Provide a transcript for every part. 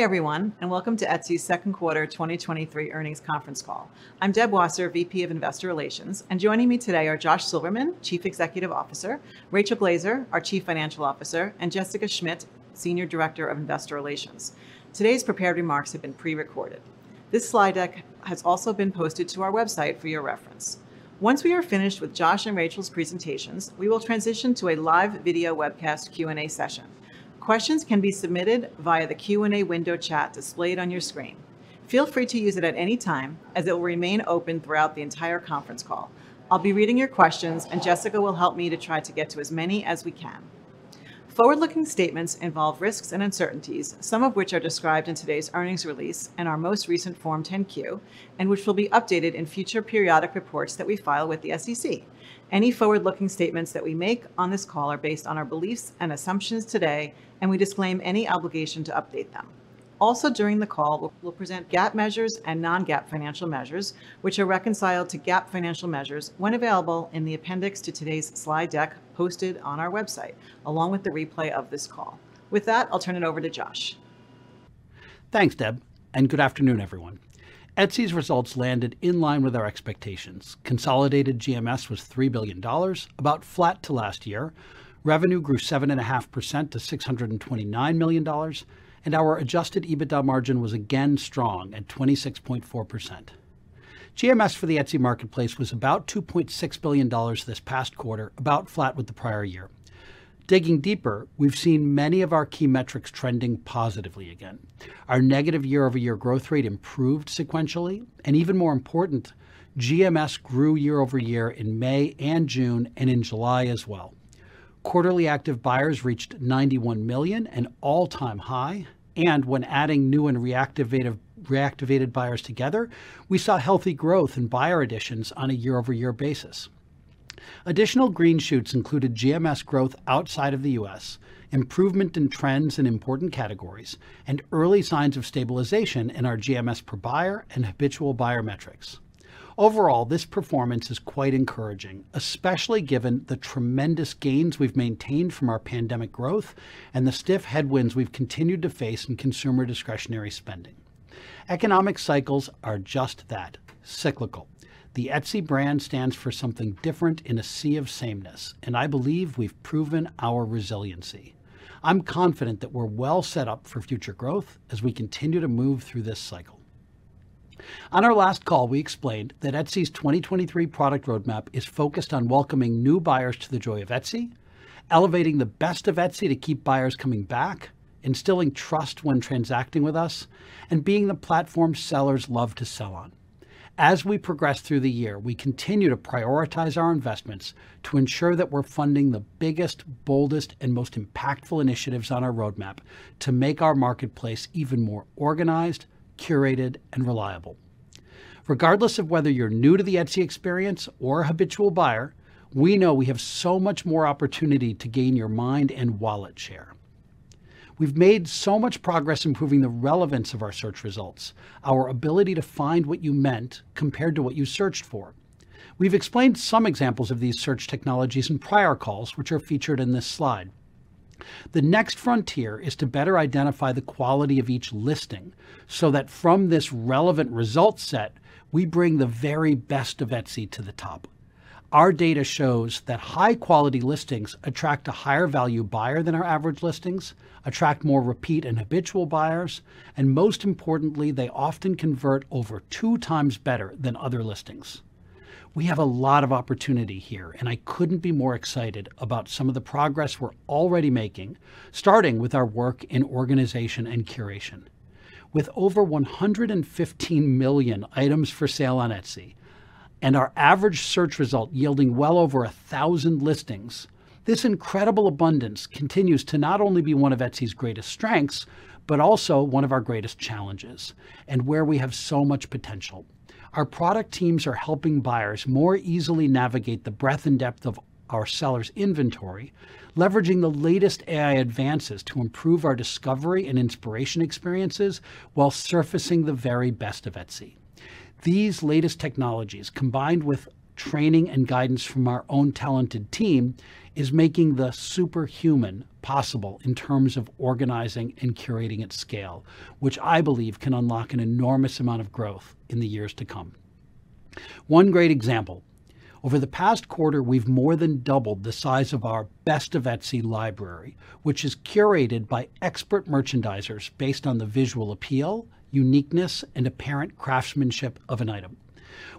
Hi, everyone, and welcome to Etsy's Second Quarter 2023 Earnings Conference Call. I'm Deb Wasser, Vice President, Investor Relations, and joining me today are Josh Silverman, Chief Executive Officer; Rachel Glaser, our Chief Financial Officer; and Jessica Schmidt, Senior Director, Investor Relations. Today's prepared remarks have been pre-recorded. This slide deck has also been posted to our website for your reference. Once we are finished with Josh and Rachel's presentations, we will transition to a live video webcast Q&A session. Questions can be submitted via the Q&A window chat displayed on your screen. Feel free to use it at any time, as it will remain open throughout the entire conference call. I'll be reading your questions, and Jessica will help me to try to get to as many as we can. Forward-looking statements involve risks and uncertainties, some of which are described in today's earnings release and our most recent Form 10-Q, and which will be updated in future periodic reports that we file with the SEC. Any forward-looking statements that we make on this call are based on our beliefs and assumptions today, and we disclaim any obligation to update them. Also, during the call, we'll present GAAP measures and non-GAAP financial measures, which are reconciled to GAAP financial measures when available in the appendix to today's slide deck posted on our website, along with the replay of this call. With that, I'll turn it over to Josh. Thanks, Deb. Good afternoon, everyone. Etsy's results landed in line with our expectations. Consolidated GMS was $3 billion, about flat to last year. Revenue grew 7.5% to $629 million, and our Adjusted EBITDA margin was again strong at 26.4%. GMS for the Etsy marketplace was about $2.6 billion this past quarter, about flat with the prior year. Digging deeper, we've seen many of our key metrics trending positively again. Our negative year-over-year growth rate improved sequentially, and even more important, GMS grew year over year in May and June, and in July as well. Quarterly active buyers reached 91 million, an all-time high, and when adding new and reactivated buyers together, we saw healthy growth in buyer additions on a year-over-year basis. Additional green shoots included GMS growth outside of the U.S., improvement in trends in important categories, and early signs of stabilization in our GMS per buyer and habitual buyer metrics. Overall, this performance is quite encouraging, especially given the tremendous gains we've maintained from our pandemic growth and the stiff headwinds we've continued to face in consumer discretionary spending. Economic cycles are just that, cyclical. The Etsy brand stands for something different in a sea of sameness, and I believe we've proven our resiliency. I'm confident that we're well set up for future growth as we continue to move through this cycle. On our last call, we explained that Etsy's 2023 product roadmap is focused on welcoming new buyers to the joy of Etsy, elevating the best of Etsy to keep buyers coming back, instilling trust when transacting with us, and being the platform sellers love to sell on. As we progress through the year, we continue to prioritize our investments to ensure that we're funding the biggest, boldest, and most impactful initiatives on our roadmap to make our marketplace even more organized, curated, and reliable. Regardless of whether you're new to the Etsy experience or a habitual buyer, we know we have so much more opportunity to gain your mind and wallet share. We've made so much progress improving the relevance of our search results, our ability to find what you meant compared to what you searched for. We've explained some examples of these search technologies in prior calls, which are featured in this slide. The next frontier is to better identify the quality of each listing, so that from this relevant result set, we bring the very best of Etsy to the top. Our data shows that high-quality listings attract a higher value buyer than our average listings, attract more repeat and habitual buyers, and most importantly, they often convert over 2x better than other listings. We have a lot of opportunity here. I couldn't be more excited about some of the progress we're already making, starting with our work in organization and curation. With over 115 million items for sale on Etsy and our average search result yielding well over 1,000 listings, this incredible abundance continues to not only be one of Etsy's greatest strengths, but also one of our greatest challenges and where we have so much potential. Our product teams are helping buyers more easily navigate the breadth and depth of our sellers' inventory, leveraging the latest AI advances to improve our discovery and inspiration experiences while surfacing the very best of Etsy. These latest technologies, combined with training and guidance from our own talented team, is making the superhuman possible in terms of organizing and curating at scale, which I believe can unlock an enormous amount of growth in the years to come. One great example: over the past quarter, we've more than doubled the size of our Best of Etsy library, which is curated by expert merchandisers based on the visual appeal, uniqueness, and apparent craftsmanship of an item.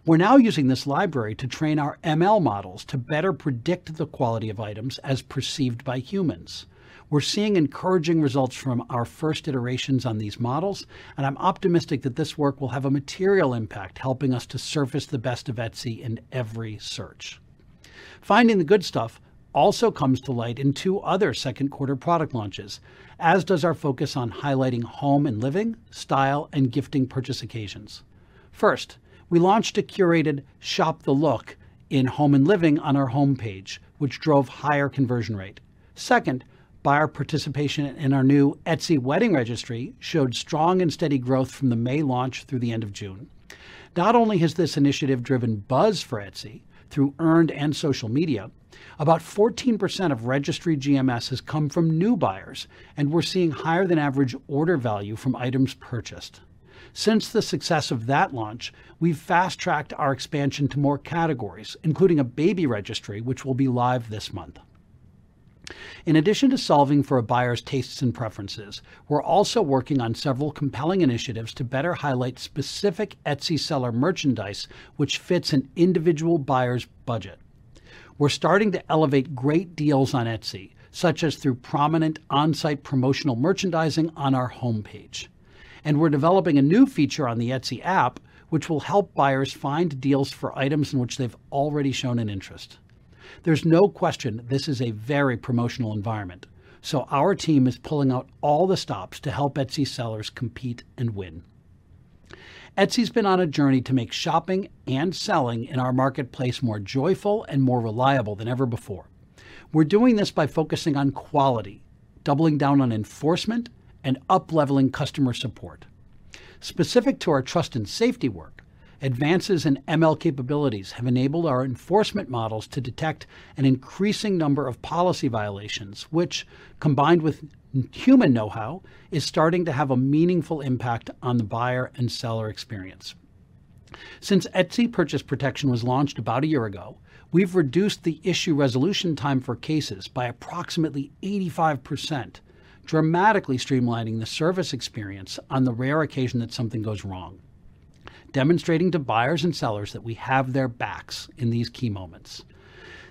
We're now using this library to train our ML models to better predict the quality of items as perceived by humans. We're seeing encouraging results from our first iterations on these models, and I'm optimistic that this work will have a material impact, helping us to surface the best of Etsy in every search. Finding the good stuff also comes to light in two other second quarter product launches, as does our focus on highlighting home and living, style, and gifting purchase occasions. First, we launched a curated shop the look in home and living on our homepage, which drove higher conversion rate. Second, buyer participation in our new Etsy wedding registry showed strong and steady growth from the May launch through the end of June. Not only has this initiative driven buzz for Etsy through earned and social media, about 14% of registry GMS has come from new buyers, and we're seeing higher than average order value from items purchased. Since the success of that launch, we've fast-tracked our expansion to more categories, including a baby registry, which will be live this month. In addition to solving for a buyer's tastes and preferences, we're also working on several compelling initiatives to better highlight specific Etsy seller merchandise, which fits an individual buyer's budget. We're starting to elevate great deals on Etsy, such as through prominent on-site promotional merchandising on our homepage. We're developing a new feature on the Etsy app, which will help buyers find deals for items in which they've already shown an interest. There's no question this is a very promotional environment, our team is pulling out all the stops to help Etsy sellers compete and win. Etsy's been on a journey to make shopping and selling in our marketplace more joyful and more reliable than ever before. We're doing this by focusing on quality, doubling down on enforcement, and upleveling customer support. Specific to our trust and safety work, advances in ML capabilities have enabled our enforcement models to detect an increasing number of policy violations, which, combined with human know-how, is starting to have a meaningful impact on the buyer and seller experience. Since Etsy Purchase Protection was launched about a year ago, we've reduced the issue resolution time for cases by approximately 85%, dramatically streamlining the service experience on the rare occasion that something goes wrong, demonstrating to buyers and sellers that we have their backs in these key moments.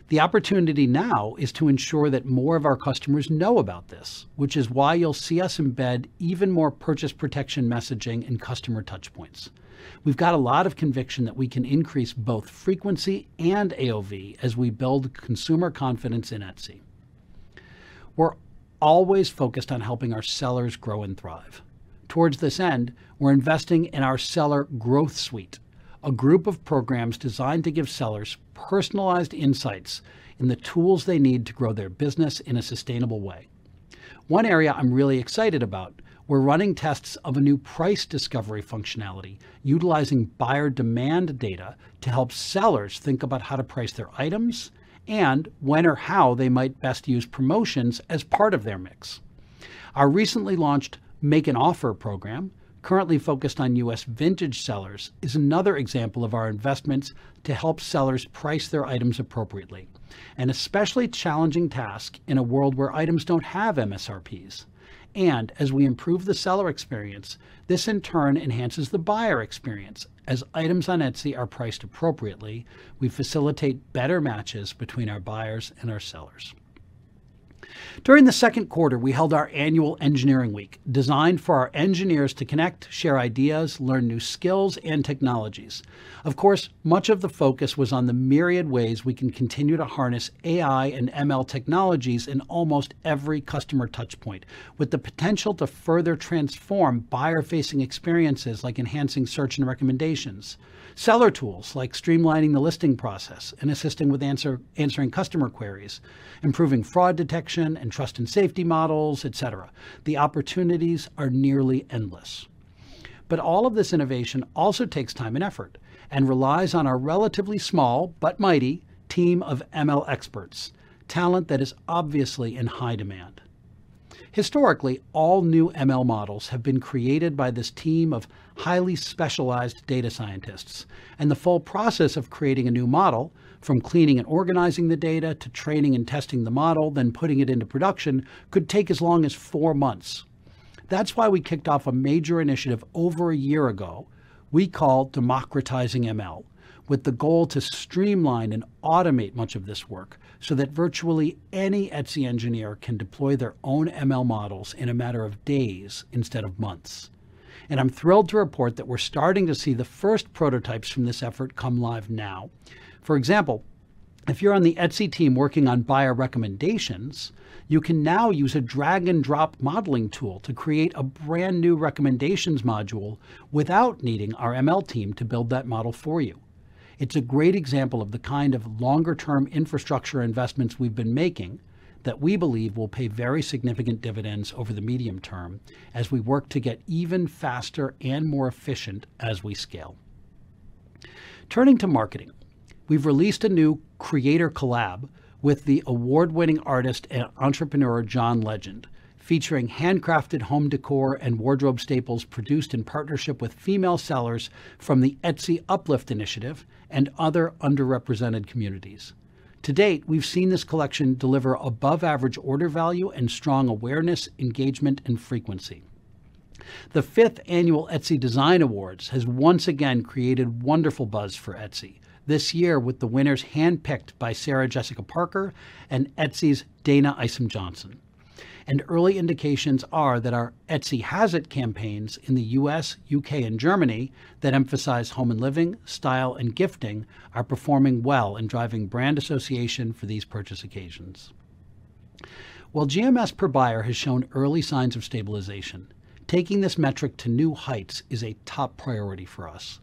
The opportunity now is to ensure that more of our customers know about this, which is why you'll see us embed even more purchase protection messaging in customer touchpoints. We've got a lot of conviction that we can increase both frequency and AOV as we build consumer confidence in Etsy. We're always focused on helping our sellers grow and thrive. Towards this end, we're investing in our Seller Growth Suite, a group of programs designed to give sellers personalized insights and the tools they need to grow their business in a sustainable way. One area I'm really excited about, we're running tests of a new price discovery functionality, utilizing buyer demand data to help sellers think about how to price their items and when or how they might best use promotions as part of their mix. Our recently launched Make an Offer program, currently focused on U.S. vintage sellers, is another example of our investments to help sellers price their items appropriately, an especially challenging task in a world where items don't have MSRPs. As we improve the seller experience, this, in turn, enhances the buyer experience. As items on Etsy are priced appropriately, we facilitate better matches between our buyers and our sellers. During the second quarter, we held our annual engineering week, designed for our engineers to connect, share ideas, learn new skills and technologies. Of course, much of the focus was on the myriad ways we can continue to harness AI and ML technologies in almost every customer touchpoint, with the potential to further transform buyer-facing experiences, like enhancing search and recommendations, seller tools, like streamlining the listing process and assisting with answering customer queries, improving fraud detection and trust and safety models, et cetera. The opportunities are nearly endless. All of this innovation also takes time and effort and relies on our relatively small but mighty team of ML experts, talent that is obviously in high demand. Historically, all new ML models have been created by this team of highly specialized data scientists, and the full process of creating a new model, from cleaning and organizing the data to training and testing the model, then putting it into production, could take as long as 4 months. That's why we kicked off a major initiative over 1 year ago we call Democratizing ML, with the goal to streamline and automate much of this work so that virtually any Etsy engineer can deploy their own ML models in a matter of days instead of months. I'm thrilled to report that we're starting to see the first prototypes from this effort come live now. For example, if you're on the Etsy team working on buyer recommendations, you can now use a drag and drop modeling tool to create a brand-new recommendations module without needing our ML team to build that model for you. It's a great example of the kind of longer-term infrastructure investments we've been making that we believe will pay very significant dividends over the medium term as we work to get even faster and more efficient as we scale. Turning to marketing, we've released a new creator collab with the award-winning artist and entrepreneur, John Legend, featuring handcrafted home decor and wardrobe staples produced in partnership with female sellers from the Etsy Uplift Initiative and other underrepresented communities. To date, we've seen this collection deliver above average order value and strong awareness, engagement, and frequency. The fifth annual Etsy Design Awards has once again created wonderful buzz for Etsy. This year, with the winners handpicked by Sarah Jessica Parker and Etsy's Dana Isom Johnson. Early indications are that our Etsy Has It campaigns in the U.S., U.K., and Germany that emphasize home and living, style, and gifting, are performing well and driving brand association for these purchase occasions. While GMS per buyer has shown early signs of stabilization, taking this metric to new heights is a top priority for us.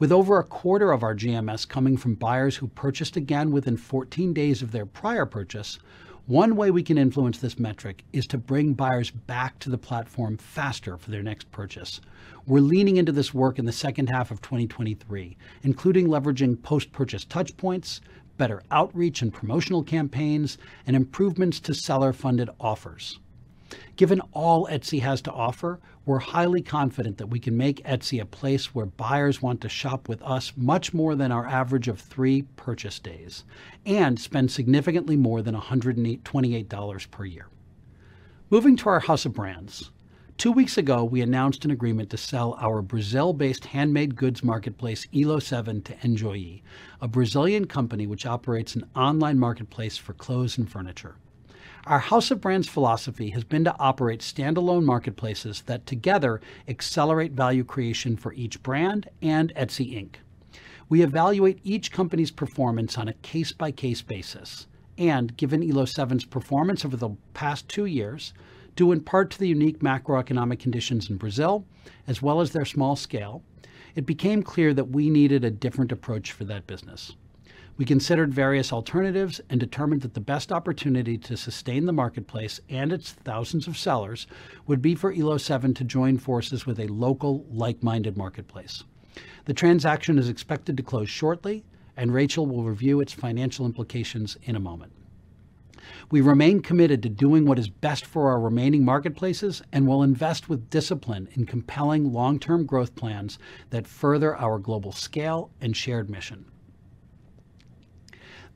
With over a quarter of our GMS coming from buyers who purchased again within 14 days of their prior purchase, one way we can influence this metric is to bring buyers back to the platform faster for their next purchase. We're leaning into this work in the second half of 2023, including leveraging post-purchase touchpoints, better outreach and promotional campaigns, and improvements to seller-funded offers. Given all Etsy has to offer, we're highly confident that we can make Etsy a place where buyers want to shop with us much more than our average of three purchase days, and spend significantly more than $108.28 per year. Moving to our House of Brands. Two weeks ago, we announced an agreement to sell our Brazil-based handmade goods marketplace, Elo7, to Enjoei, a Brazilian company which operates an online marketplace for clothes and furniture. Our House of Brands philosophy has been to operate standalone marketplaces that together accelerate value creation for each brand and Etsy Inc. We evaluate each company's performance on a case-by-case basis, and given Elo7's performance over the past two years, due in part to the unique macroeconomic conditions in Brazil, as well as their small scale, it became clear that we needed a different approach for that business. We considered various alternatives and determined that the best opportunity to sustain the marketplace and its thousands of sellers would be for Elo7 to join forces with a local, like-minded marketplace. The transaction is expected to close shortly, and Rachel will review its financial implications in a moment. We remain committed to doing what is best for our remaining marketplaces and will invest with discipline in compelling long-term growth plans that further our global scale and shared mission.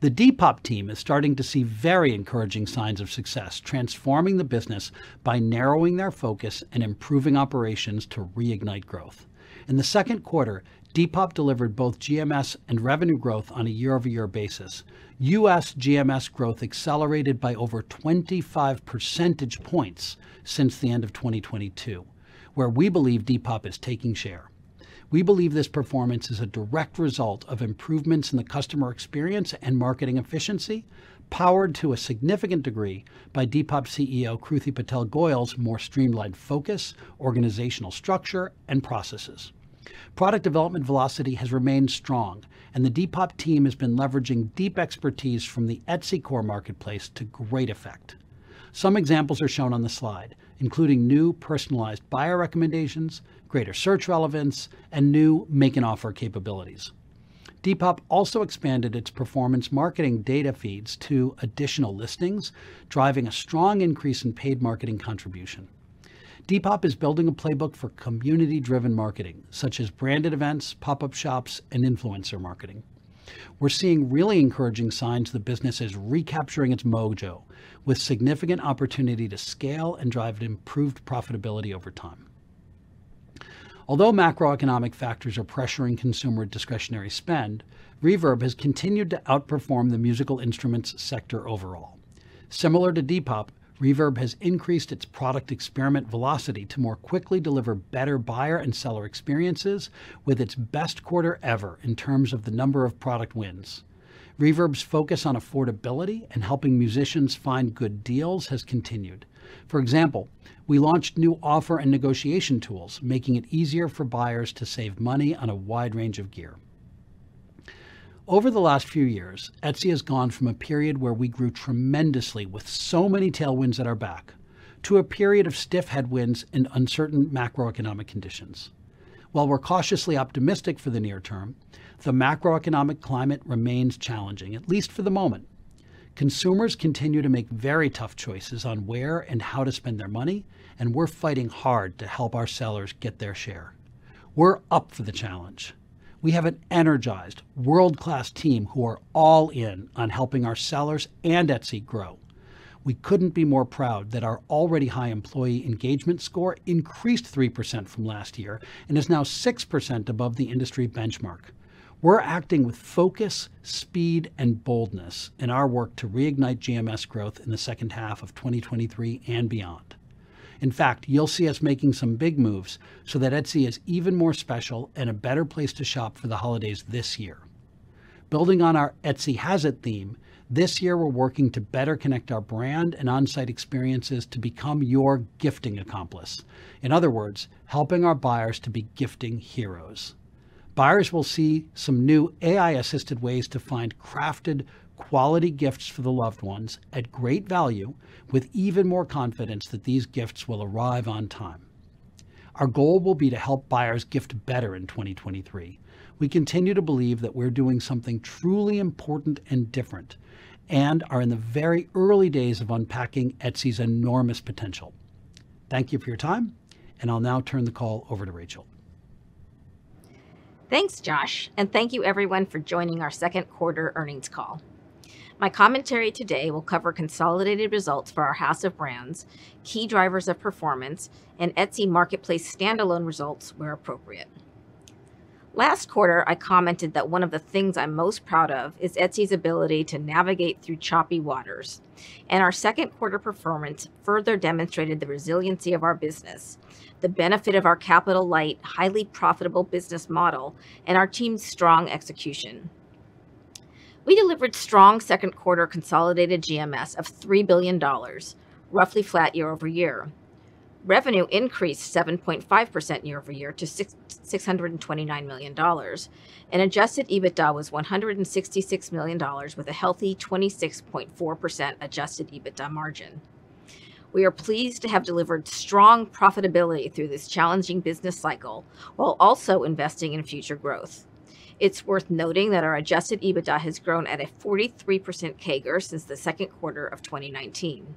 The Depop team is starting to see very encouraging signs of success, transforming the business by narrowing their focus and improving operations to reignite growth. In the second quarter, Depop delivered both GMS and revenue growth on a year-over-year basis. U.S. GMS growth accelerated by over 25 percentage points since the end of 2022, where we believe Depop is taking share. We believe this performance is a direct result of improvements in the customer experience and marketing efficiency, powered to a significant degree by Depop CEO Kruti Patel Goyal's more streamlined focus, organizational structure, and processes. Product development velocity has remained strong, and the Depop team has been leveraging deep expertise from the Etsy core marketplace to great effect. Some examples are shown on the slide, including new personalized buyer recommendations, greater search relevance, and new Make an Offer capabilities. Depop also expanded its performance marketing data feeds to additional listings, driving a strong increase in paid marketing contribution. Depop is building a playbook for community-driven marketing, such as branded events, pop-up shops, and influencer marketing. We're seeing really encouraging signs the business is recapturing its mojo, with significant opportunity to scale and drive improved profitability over time. Although macroeconomic factors are pressuring consumer discretionary spend, Reverb has continued to outperform the musical instruments sector overall. Similar to Depop, Reverb has increased its product experiment velocity to more quickly deliver better buyer and seller experiences with its best quarter ever in terms of the number of product wins. Reverb's focus on affordability and helping musicians find good deals has continued. For example, we launched new offer and negotiation tools, making it easier for buyers to save money on a wide range of gear. Over the last few years, Etsy has gone from a period where we grew tremendously with so many tailwinds at our back, to a period of stiff headwinds and uncertain macroeconomic conditions. While we're cautiously optimistic for the near term, the macroeconomic climate remains challenging, at least for the moment. Consumers continue to make very tough choices on where and how to spend their money, and we're fighting hard to help our sellers get their share. We're up for the challenge. We have an energized, world-class team who are all in on helping our sellers and Etsy grow. We couldn't be more proud that our already high employee engagement score increased 3% from last year and is now 6% above the industry benchmark. We're acting with focus, speed, and boldness in our work to reignite GMS growth in the second half of 2023 and beyond. In fact, you'll see us making some big moves so that Etsy is even more special and a better place to shop for the holidays this year. Building on our Etsy Has It theme, this year, we're working to better connect our brand and on-site experiences to become your gifting accomplice. In other words, helping our buyers to be gifting heroes. Buyers will see some new AI-assisted ways to find crafted, quality gifts for the loved ones at great value, with even more confidence that these gifts will arrive on time. Our goal will be to help buyers gift better in 2023. We continue to believe that we're doing something truly important and different, and are in the very early days of unpacking Etsy's enormous potential. Thank you for your time, and I'll now turn the call over to Rachel. Thanks, Josh. Thank you everyone for joining our second quarter earnings call. My commentary today will cover consolidated results for our House of Brands, key drivers of performance, and Etsy marketplace standalone results where appropriate. Last quarter, I commented that one of the things I'm most proud of is Etsy's ability to navigate through choppy waters. Our second quarter performance further demonstrated the resiliency of our business, the benefit of our capital-light, highly profitable business model, and our team's strong execution. We delivered strong second quarter consolidated GMS of $3 billion, roughly flat year-over-year. Revenue increased 7.5% YoY to $629 million. Adjusted EBITDA was $166 million with a healthy 26.4% Adjusted EBITDA margin. We are pleased to have delivered strong profitability through this challenging business cycle, while also investing in future growth. It's worth noting that our Adjusted EBITDA has grown at a 43% CAGR since the second quarter of 2019.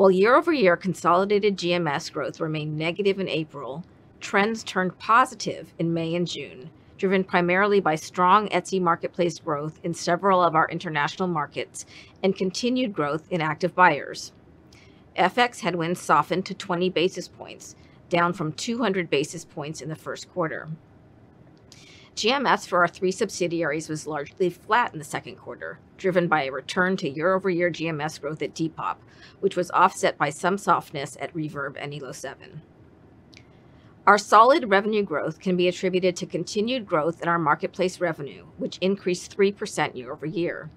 While year-over-year consolidated GMS growth remained negative in April, trends turned positive in May and June, driven primarily by strong Etsy marketplace growth in several of our international markets and continued growth in active buyers. FX headwinds softened to 20 basis points, down from 200 basis points in the first quarter. GMS for our three subsidiaries was largely flat in the second quarter, driven by a return to year-over-year GMS growth at Depop, which was offset by some softness at Reverb and Elo7. Our solid revenue growth can be attributed to continued growth in our marketplace revenue, which increased 3% YoY.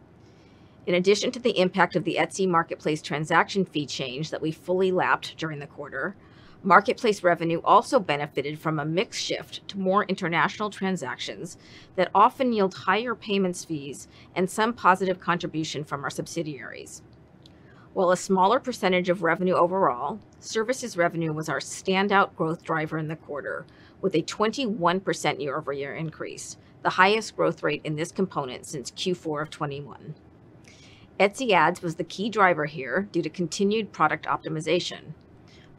In addition to the impact of the Etsy marketplace transaction fee change that we fully lapped during the quarter, marketplace revenue also benefited from a mix shift to more international transactions that often yield higher payments fees and some positive contribution from our subsidiaries. While a smaller percentage of revenue overall, services revenue was our standout growth driver in the quarter, with a 21% YoY increase, the highest growth rate in this component since Q4 of 2021. Etsy Ads was the key driver here due to continued product optimization.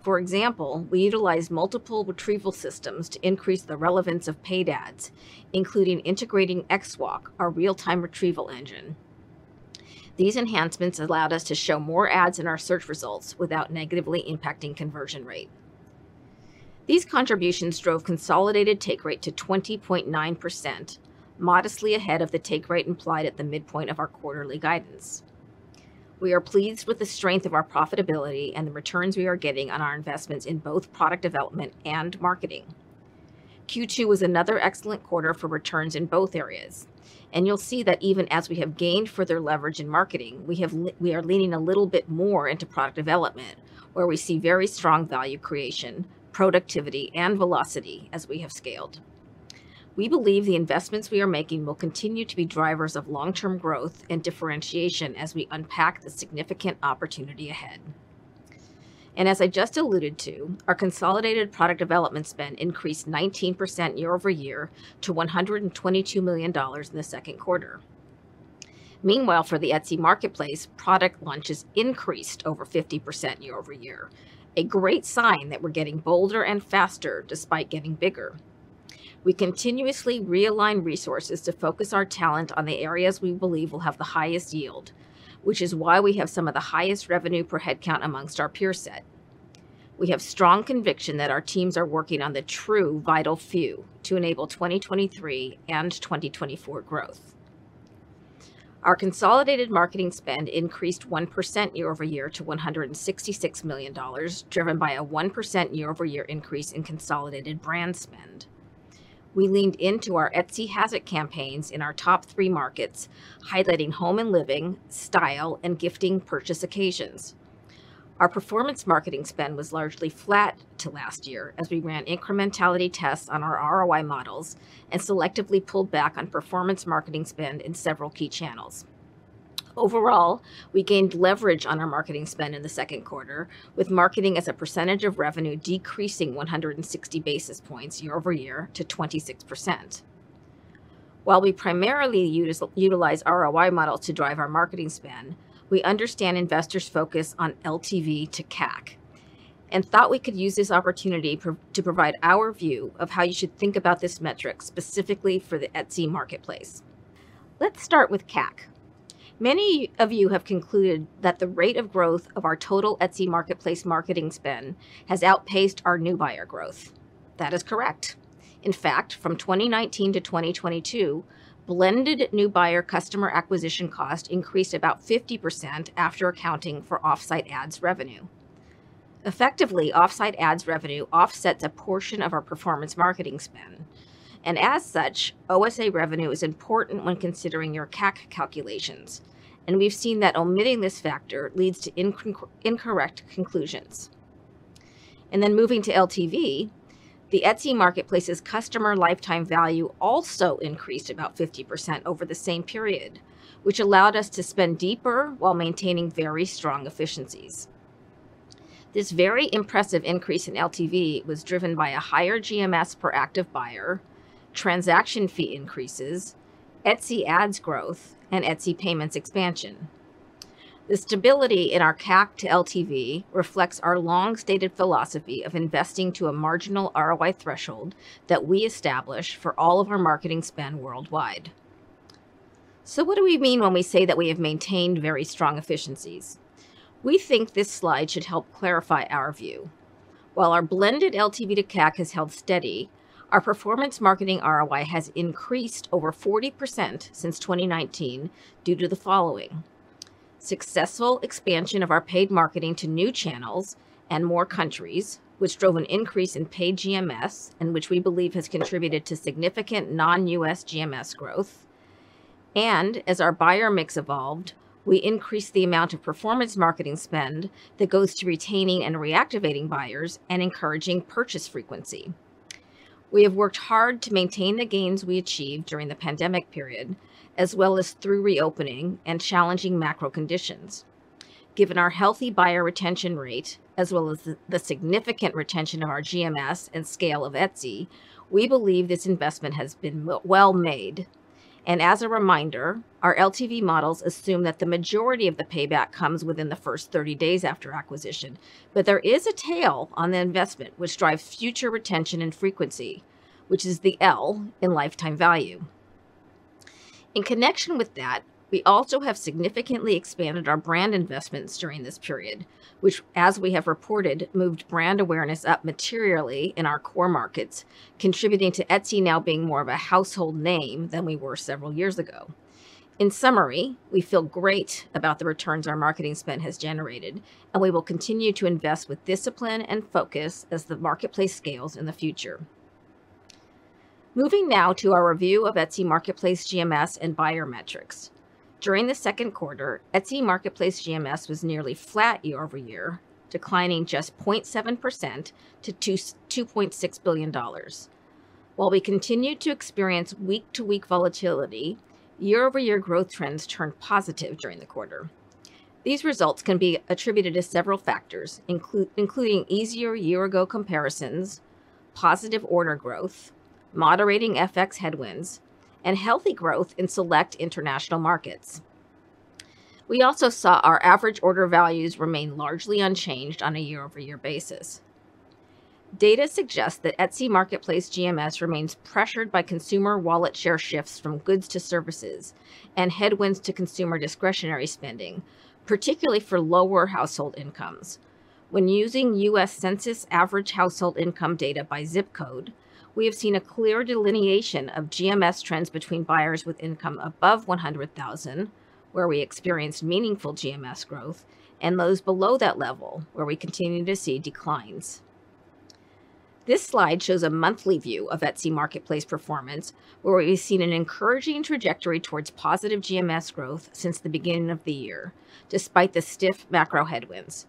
For example, we utilized multiple retrieval systems to increase the relevance of paid ads, including integrating XWalk, our real-time retrieval engine. These enhancements allowed us to show more ads in our search results without negatively impacting conversion rate. These contributions drove consolidated take rate to 20.9%, modestly ahead of the take rate implied at the midpoint of our quarterly guidance. We are pleased with the strength of our profitability and the returns we are getting on our investments in both product development and marketing. Q2 was another excellent quarter for returns in both areas, and you'll see that even as we have gained further leverage in marketing, we are leaning a little bit more into product development, where we see very strong value creation, productivity, and velocity as we have scaled. We believe the investments we are making will continue to be drivers of long-term growth and differentiation as we unpack the significant opportunity ahead. As I just alluded to, our consolidated product development spend increased 19% YoY to $122 million in the second quarter. Meanwhile, for the Etsy marketplace, product launches increased over 50% YoY, a great sign that we're getting bolder and faster despite getting bigger. We continuously realign resources to focus our talent on the areas we believe will have the highest yield, which is why we have some of the highest revenue per headcount amongst our peer set. We have strong conviction that our teams are working on the true vital few to enable 2023 and 2024 growth. Our consolidated marketing spend increased 1% YoY to $166 million, driven by a 1% YoY increase in consolidated brand spend. We leaned into our Etsy Has It campaigns in our top three markets, highlighting home and living, style, and gifting purchase occasions. Our performance marketing spend was largely flat to last year, as we ran incrementality tests on our ROI models and selectively pulled back on performance marketing spend in several key channels. Overall, we gained leverage on our marketing spend in the second quarter, with marketing as a percentage of revenue decreasing 160 basis points year-over-year to 26%. While we primarily utilize ROI model to drive our marketing spend, we understand investors' focus on LTV to CAC, and thought we could use this opportunity to provide our view of how you should think about this metric, specifically for the Etsy marketplace. Let's start with CAC. Many of you have concluded that the rate of growth of our total Etsy marketplace marketing spend has outpaced our new buyer growth. That is correct. In fact, from 2019 to 2022, blended new buyer customer acquisition cost increased about 50% after accounting for off-site ads revenue. Effectively, off-site ads revenue offsets a portion of our performance marketing spend, and as such, OSA revenue is important when considering your CAC calculations, and we've seen that omitting this factor leads to incorrect conclusions. Moving to LTV, the Etsy marketplace's customer lifetime value also increased about 50% over the same period, which allowed us to spend deeper while maintaining very strong efficiencies. This very impressive increase in LTV was driven by a higher GMS per active buyer, transaction fee increases, Etsy Ads growth, and Etsy Payments expansion. The stability in our CAC to LTV reflects our long-stated philosophy of investing to a marginal ROI threshold that we establish for all of our marketing spend worldwide. What do we mean when we say that we have maintained very strong efficiencies? We think this slide should help clarify our view. While our blended LTV to CAC has held steady, our performance marketing ROI has increased over 40% since 2019 due to the following: successful expansion of our paid marketing to new channels and more countries, which drove an increase in paid GMS, and which we believe has contributed to significant non-U.S. GMS growth. As our buyer mix evolved, we increased the amount of performance marketing spend that goes to retaining and reactivating buyers and encouraging purchase frequency. We have worked hard to maintain the gains we achieved during the pandemic period, as well as through reopening and challenging macro conditions. Given our healthy buyer retention rate, as well as the significant retention of our GMS and scale of Etsy, we believe this investment has been well made. As a reminder, our LTV models assume that the majority of the payback comes within the first 30 days after acquisition, but there is a tail on the investment, which drives future retention and frequency, which is the L in lifetime value. In connection with that, we also have significantly expanded our brand investments during this period, which, as we have reported, moved brand awareness up materially in our core markets, contributing to Etsy now being more of a household name than we were several years ago. In summary, we feel great about the returns our marketing spend has generated, and we will continue to invest with discipline and focus as the marketplace scales in the future. Moving now to our review of Etsy marketplace GMS and buyer metrics. During the second quarter, Etsy marketplace GMS was nearly flat year-over-year, declining just 0.7% to $2.6 billion. While we continued to experience week-to-week volatility, year-over-year growth trends turned positive during the quarter. These results can be attributed to several factors, including easier year-ago comparisons, positive order growth, moderating FX headwinds, and healthy growth in select international markets. We also saw our average order values remain largely unchanged on a year-over-year basis. Data suggests that Etsy marketplace GMS remains pressured by consumer wallet share shifts from goods to services and headwinds to consumer discretionary spending, particularly for lower household incomes. When using U.S. Census average household income data by ZIP Code, we have seen a clear delineation of GMS trends between buyers with income above $100,000, where we experienced meaningful GMS growth, and those below that level, where we continue to see declines. This slide shows a monthly view of Etsy marketplace performance, where we've seen an encouraging trajectory towards positive GMS growth since the beginning of the year, despite the stiff macro headwinds.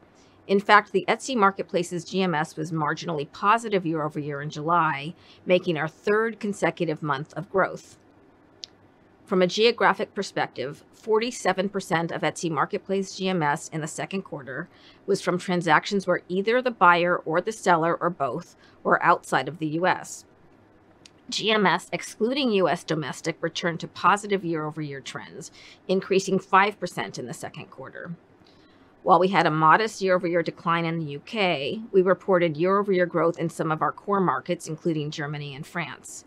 In fact, the Etsy marketplace's GMS was marginally positive year-over-year in July, making our third consecutive month of growth. From a geographic perspective, 47% of Etsy marketplace GMS in the second quarter was from transactions where either the buyer or the seller or both were outside of the U.S. GMS, excluding U.S. domestic, returned to positive year-over-year trends, increasing 5% in the second quarter. While we had a modest year-over-year decline in the U.K., we reported year-over-year growth in some of our core markets, including Germany and France.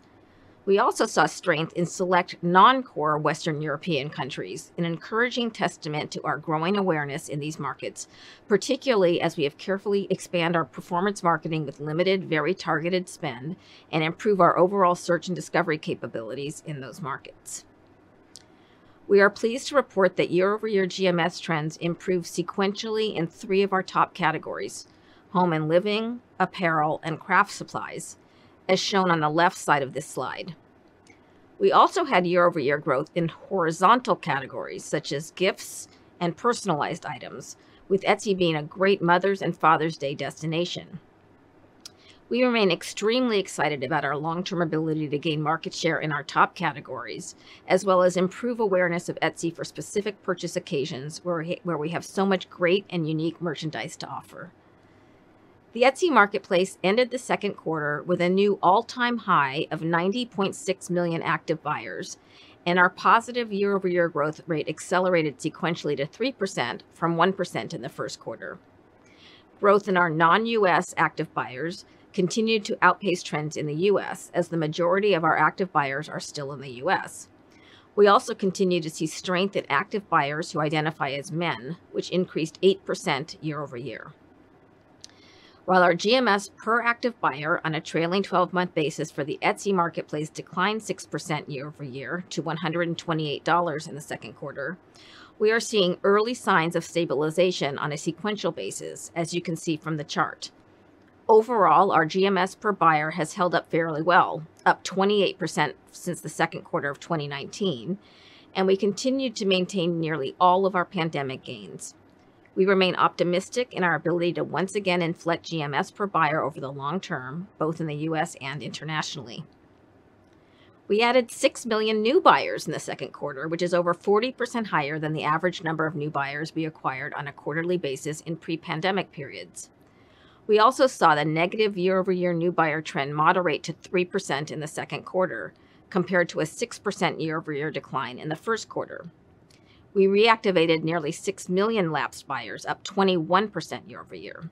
We also saw strength in select non-core Western European countries, an encouraging testament to our growing awareness in these markets, particularly as we have carefully expand our performance marketing with limited, very targeted spend and improve our overall search and discovery capabilities in those markets. We are pleased to report that year-over-year GMS trends improved sequentially in 3 of our top categories: home and living, apparel, and craft supplies, as shown on the left side of this slide. We also had year-over-year growth in horizontal categories, such as gifts and personalized items, with Etsy being a great Mother's and Father's Day destination. We remain extremely excited about our long-term ability to gain market share in our top categories, as well as improve awareness of Etsy for specific purchase occasions where we have so much great and unique merchandise to offer. The Etsy marketplace ended the second quarter with a new all-time high of 90.6 million active buyers, and our positive year-over-year growth rate accelerated sequentially to 3% from 1% in the first quarter. Growth in our non-U.S. active buyers continued to outpace trends in the U.S., as the majority of our active buyers are still in the U.S. We also continue to see strength in active buyers who identify as men, which increased 8% YoY. While our GMS per active buyer on a trailing 12-month basis for the Etsy marketplace declined 6% YoY to $128 in the second quarter, we are seeing early signs of stabilization on a sequential basis, as you can see from the chart. Overall, our GMS per buyer has held up fairly well, up 28% since the second quarter of 2019. We continued to maintain nearly all of our pandemic gains. We remain optimistic in our ability to once again inflate GMS per buyer over the long term, both in the U.S. and internationally. We added 6 million new buyers in the second quarter, which is over 40% higher than the average number of new buyers we acquired on a quarterly basis in pre-pandemic periods. We also saw the negative year-over-year new buyer trend moderate to 3% in the second quarter, compared to a 6% YoY decline in the first quarter. We reactivated nearly 6 million lapsed buyers, up 21% YoY.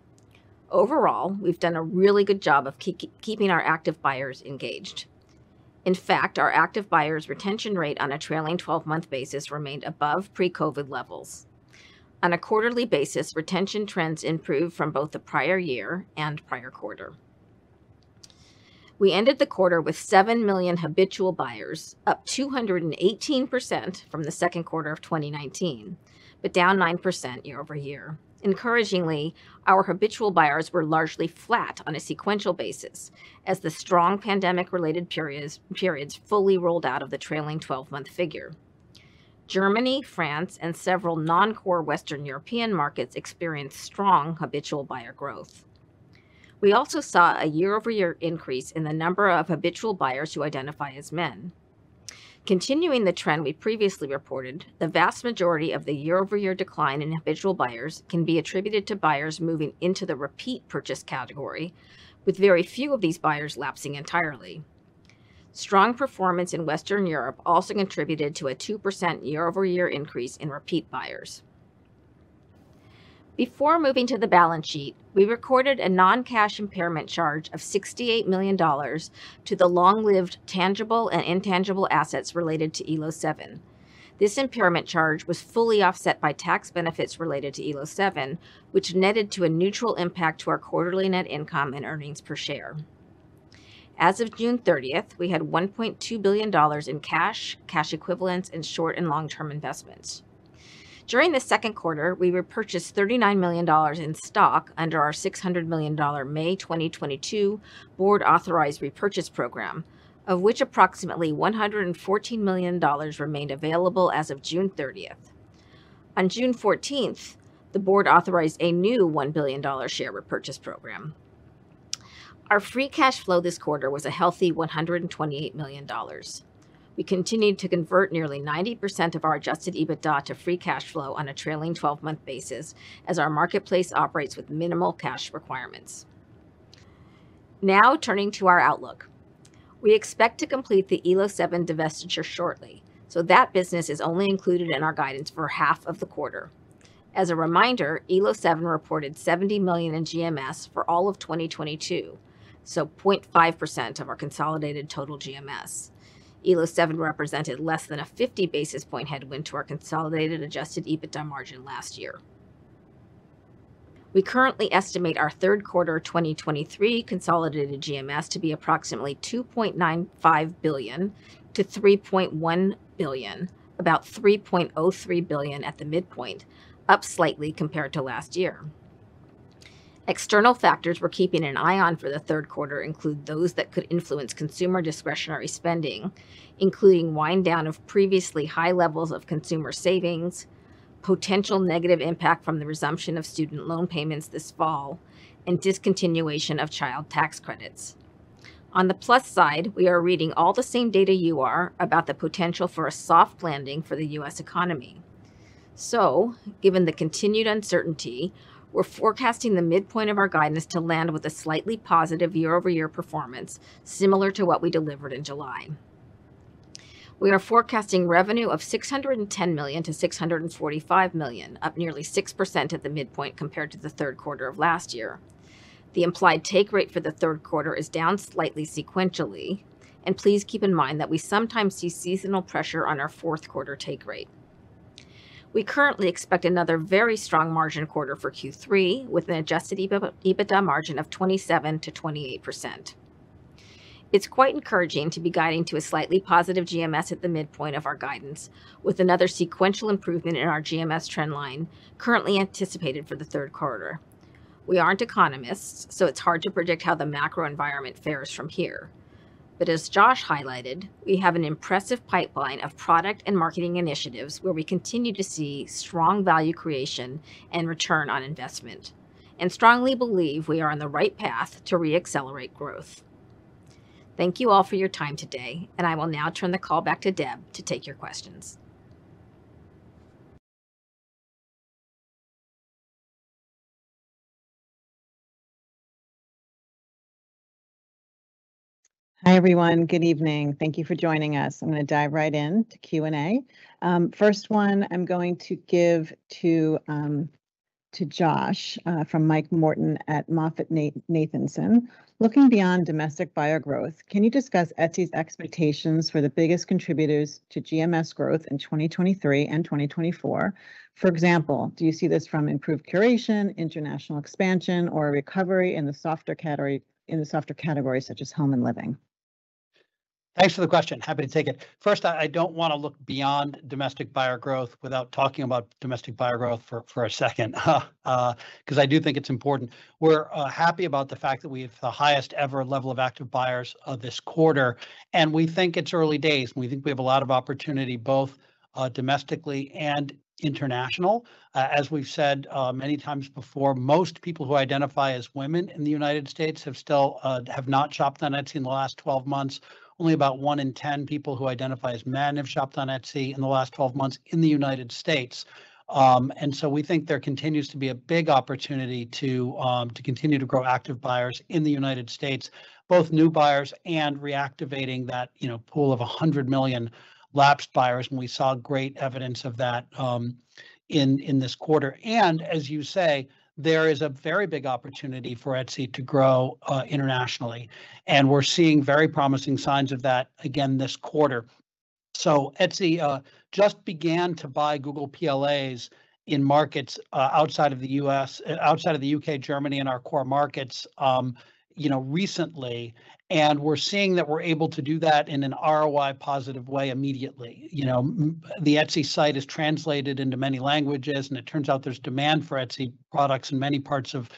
Overall, we've done a really good job of keeping our active buyers engaged. In fact, our active buyers' retention rate on a trailing 12-month basis remained above pre-COVID levels. On a quarterly basis, retention trends improved from both the prior year and prior quarter. We ended the quarter with 7 million habitual buyers, up 218% from the second quarter of 2019, but down 9% YoY. Encouragingly, our habitual buyers were largely flat on a sequential basis as the strong pandemic-related periods, periods fully rolled out of the trailing 12-month figure. Germany, France, and several non-core Western European markets experienced strong habitual buyer growth. We also saw a year-over-year increase in the number of habitual buyers who identify as men. Continuing the trend we previously reported, the vast majority of the year-over-year decline in habitual buyers can be attributed to buyers moving into the repeat purchase category, with very few of these buyers lapsing entirely. Strong performance in Western Europe also contributed to a 2% YoY increase in repeat buyers. Before moving to the balance sheet, we recorded a non-cash impairment charge of $68 million to the long-lived tangible and intangible assets related to Elo7. This impairment charge was fully offset by tax benefits related to Elo7, which netted to a neutral impact to our quarterly net income and earnings per share. As of June 30th, we had $1.2 billion in cash, cash equivalents, and short- and long-term investments. During the second quarter, we repurchased $39 million in stock under our $600 million May 2022 board-authorized repurchase program, of which approximately $114 million remained available as of June 30th. On June 14th, the Board authorized a new $1 billion share repurchase program. Our free cash flow this quarter was a healthy $128 million. We continued to convert nearly 90% of our Adjusted EBITDA to free cash flow on a trailing 12-month basis, as our marketplace operates with minimal cash requirements. Now, turning to our outlook. We expect to complete the Elo7 [divestiture] shortly, so that business is only included in our guidance for half of the quarter. As a reminder, Elo7 reported $70 million in GMS for all of 2022, so 0.5% of our consolidated total GMS. Elo7 represented less than a 50 basis point headwind to our consolidated Adjusted EBITDA margin last year. We currently estimate our third quarter 2023 consolidated GMS to be approximately $2.95 billion-$3.1 billion, about $3.03 billion at the midpoint, up slightly compared to last year. External factors we're keeping an eye on for the third quarter include those that could influence consumer discretionary spending, including wind down of previously high levels of consumer savings, potential negative impact from the resumption of student loan payments this fall, and discontinuation of Child Tax Credits. On the plus side, we are reading all the same data you are about the potential for a soft landing for the U.S. economy. Given the continued uncertainty, we're forecasting the midpoint of our guidance to land with a slightly positive year-over-year performance, similar to what we delivered in July. We are forecasting revenue of $610 million to $645 million, up nearly 6% at the midpoint compared to the third quarter of last year. The implied take rate for the third quarter is down slightly sequentially, and please keep in mind that we sometimes see seasonal pressure on our fourth quarter take rate. We currently expect another very strong margin quarter for Q3, with an Adjusted EBITDA, EBITDA margin of 27%-28%. It's quite encouraging to be guiding to a slightly positive GMS at the midpoint of our guidance, with another sequential improvement in our GMS trend line currently anticipated for the third quarter. We aren't economists, so it's hard to predict how the macro environment fares from here. As Josh highlighted, we have an impressive pipeline of product and marketing initiatives where we continue to see strong value creation and return on investment, and strongly believe we are on the right path to re-accelerate growth. Thank you all for your time today, and I will now turn the call back to Deb to take your questions. Hi, everyone. Good evening. Thank you for joining us. I'm going to dive right in to Q&A. First one, I'm going to give to Josh, from Mike Morton at MoffettNathanson. Looking beyond domestic buyer growth, can you discuss Etsy's expectations for the biggest contributors to GMS growth in 2023 and 2024? For example, do you see this from improved curation, international expansion, or a recovery in the softer category, in the softer categories such as home and living? Thanks for the question. Happy to take it. First, I don't want to look beyond domestic buyer growth without talking about domestic buyer growth for a second, 'cause I do think it's important. We're happy about the fact that we have the highest ever level of active buyers of this quarter, and we think it's early days, and we think we have a lot of opportunity, both domestically and international. As we've said, many times before, most people who identify as women in the United States have still have not shopped on Etsy in the last 12 months. Only about one in 10 people who identify as men have shopped on Etsy in the last 12 months in the United States. So we think there continues to be a big opportunity to continue to grow active buyers in the United States, both new buyers and reactivating that, you know, pool of 100 million lapsed buyers, and we saw great evidence of that in this quarter. As you say, there is a very big opportunity for Etsy to grow internationally, and we're seeing very promising signs of that again this quarter. Etsy just began to buy Google PLAs in markets outside of the U.S., outside of the U.K., Germany, and our core markets, you know, recently. We're seeing that we're able to do that in an ROI-positive way immediately. You know, the Etsy site is translated into many languages, and it turns out there's demand for Etsy products in many parts of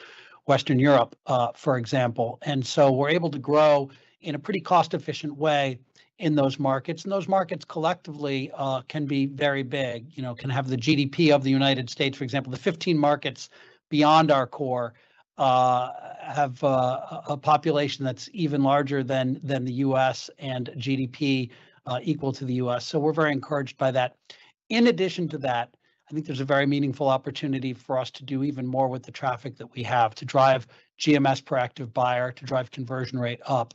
Western Europe, for example. We're able to grow in a pretty cost-efficient way in those markets, and those markets collectively, you know, can be very big, can have the GDP of the United States. For example, the 15 markets beyond our core, have a population that's even larger than the U.S., and GDP equal to the U.S. We're very encouraged by that. In addition to that, I think there's a very meaningful opportunity for us to do even more with the traffic that we have to drive GMS per active buyer, to drive conversion rate up,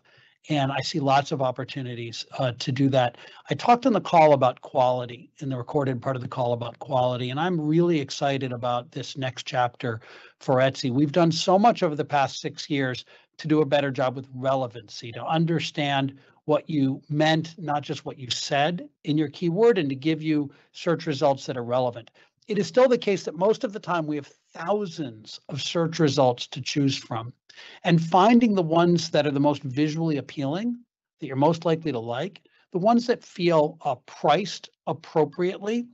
and I see lots of opportunities to do that. I talked on the call about quality, in the recorded part of the call about quality, and I'm really excited about this next chapter for Etsy. We've done so much over the past six years to do a better job with relevancy, to understand what you meant, not just what you said in your keyword, and to give you search results that are relevant. It is still the case that most of the time we have thousands of search results to choose from, and finding the ones that are the most visually appealing, that you're most likely to like, the ones that feel priced appropriately,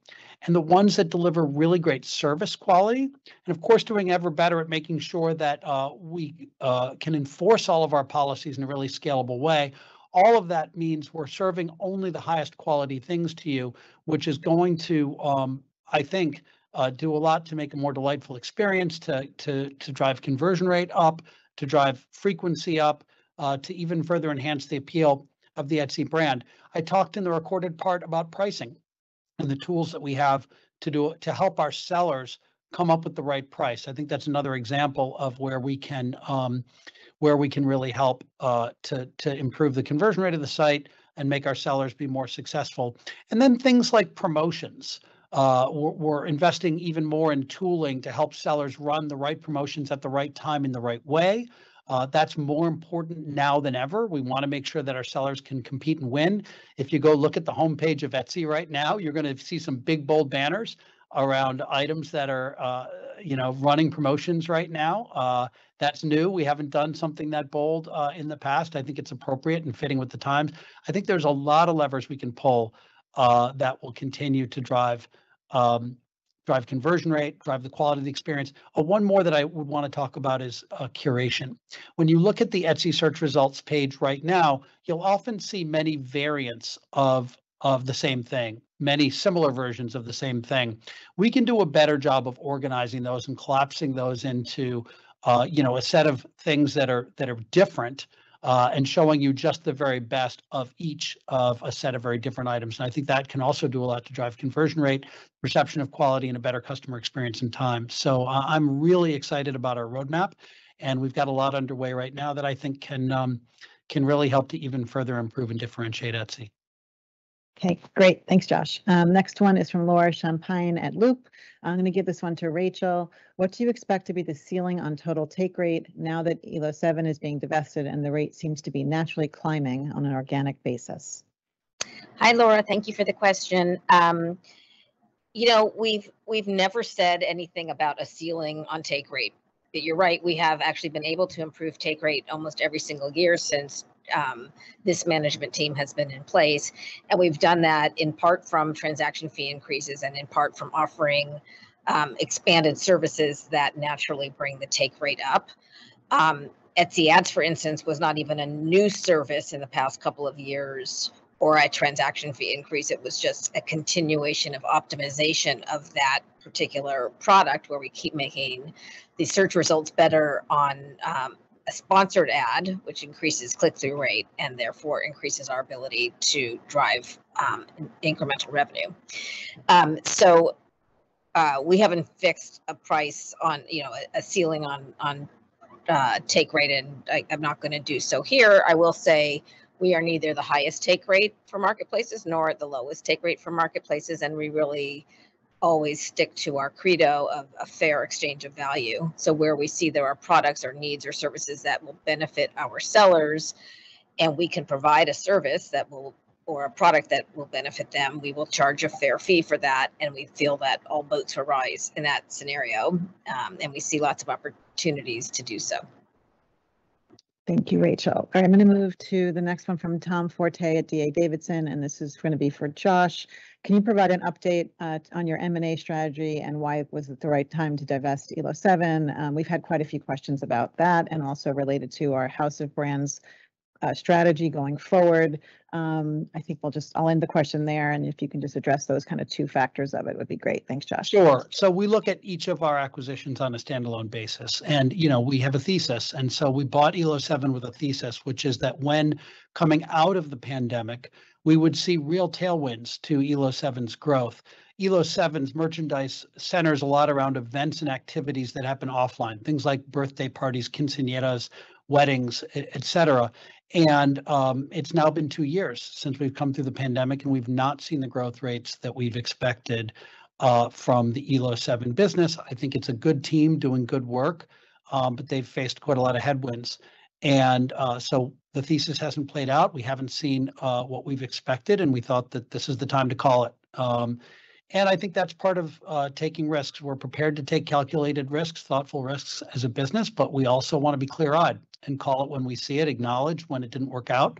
and the ones that deliver really great service quality, and of course, doing ever better at making sure that we can enforce all of our policies in a really scalable way. All of that means we're serving only the highest quality things to you, which is going to, I think, do a lot to make a more delightful experience, to, to, to drive conversion rate up, to drive frequency up, to even further enhance the appeal of the Etsy brand. I talked in the recorded part about pricing and the tools that we have to help our sellers come up with the right price. I think that's another example of where we can, where we can really help, to, to improve the conversion rate of the site and make our sellers be more successful. Then things like promotions. We're, we're investing even more in tooling to help sellers run the right promotions at the right time in the right way. That's more important now than ever. We want to make sure that our sellers can compete and win. If you go look at the homepage of Etsy right now, you're gonna see some big, bold banners around items that are, you know, running promotions right now. That's new. We haven't done something that bold in the past. I think it's appropriate and fitting with the times. I think there's a lot of levers we can pull that will continue to drive, drive conversion rate, drive the quality of the experience. One more that I would want to talk about is curation. When you look at the Etsy search results page right now, you'll often see many variants of, of the same thing, many similar versions of the same thing. We can do a better job of organizing those and collapsing those into, you know, a set of things that are, that are different, and showing you just the very best of each of a set of very different items. I think that can also do a lot to drive conversion rate, perception of quality, and a better customer experience and time. I, I'm really excited about our roadmap, and we've got a lot underway right now that I think can really help to even further improve and differentiate Etsy. Okay, great. Thanks, Josh. Next one is from Laura Champine at Loop. I'm gonna give this one to Rachel. "What do you expect to be the ceiling on total take rate now that Elo7 is being divested, and the rate seems to be naturally climbing on an organic basis? Hi, Laura. Thank you for the question. You know, we've, we've never said anything about a ceiling on take rate. You're right, we have actually been able to improve take rate almost every single year since this management team has been in place, and we've done that in part from transaction fee increases and in part from offering expanded services that naturally bring the take rate up. Etsy Ads, for instance, was not even a new service in the past couple of years or a transaction fee increase. It was just a continuation of optimization of that particular product, where we keep making the search results better on a sponsored ad, which increases click-through rate and therefore increases our ability to drive incremental revenue. We haven't fixed a price on, you know, a ceiling on take rate, and I, I'm not gonna do so here. I will say we are neither the highest take rate for marketplaces nor the lowest take rate for marketplaces, and we really always stick to our credo of a fair exchange of value. Where we see there are products or needs or services that will benefit our sellers, and we can provide a service or a product that will benefit them, we will charge a fair fee for that, and we feel that all boats will rise in that scenario, and we see lots of opportunities to do so. Thank you, Rachel. All right, I'm gonna move to the next one from Tom Forte at D.A. Davidson. This is gonna be for Josh Silverman. "Can you provide an update on your M&A strategy, and why was it the right time to divest Elo7?" We've had quite a few questions about that and also related to our House of Brands strategy going forward. I think we'll just end the question there, and if you can just address those kind of two factors of it, would be great. Thanks, Josh. Sure. We look at each of our acquisitions on a standalone basis, and, you know, we have a thesis, and so we bought Elo7 with a thesis, which is that when coming out of the pandemic, we would see real tailwinds to Elo7's growth. Elo7's merchandise centers a lot around events and activities that happen offline, things like birthday parties, quinceañeras, weddings, et cetera. It's now been two years since we've come through the pandemic, and we've not seen the growth rates that we've expected from the Elo7 business. I think it's a good team doing good work, but they've faced quite a lot of headwinds. The thesis hasn't played out. We haven't seen what we've expected, and we thought that this is the time to call it. I think that's part of taking risks. We're prepared to take calculated risks, thoughtful risks as a business, but we also want to be clear-eyed and call it when we see it, acknowledge when it didn't work out,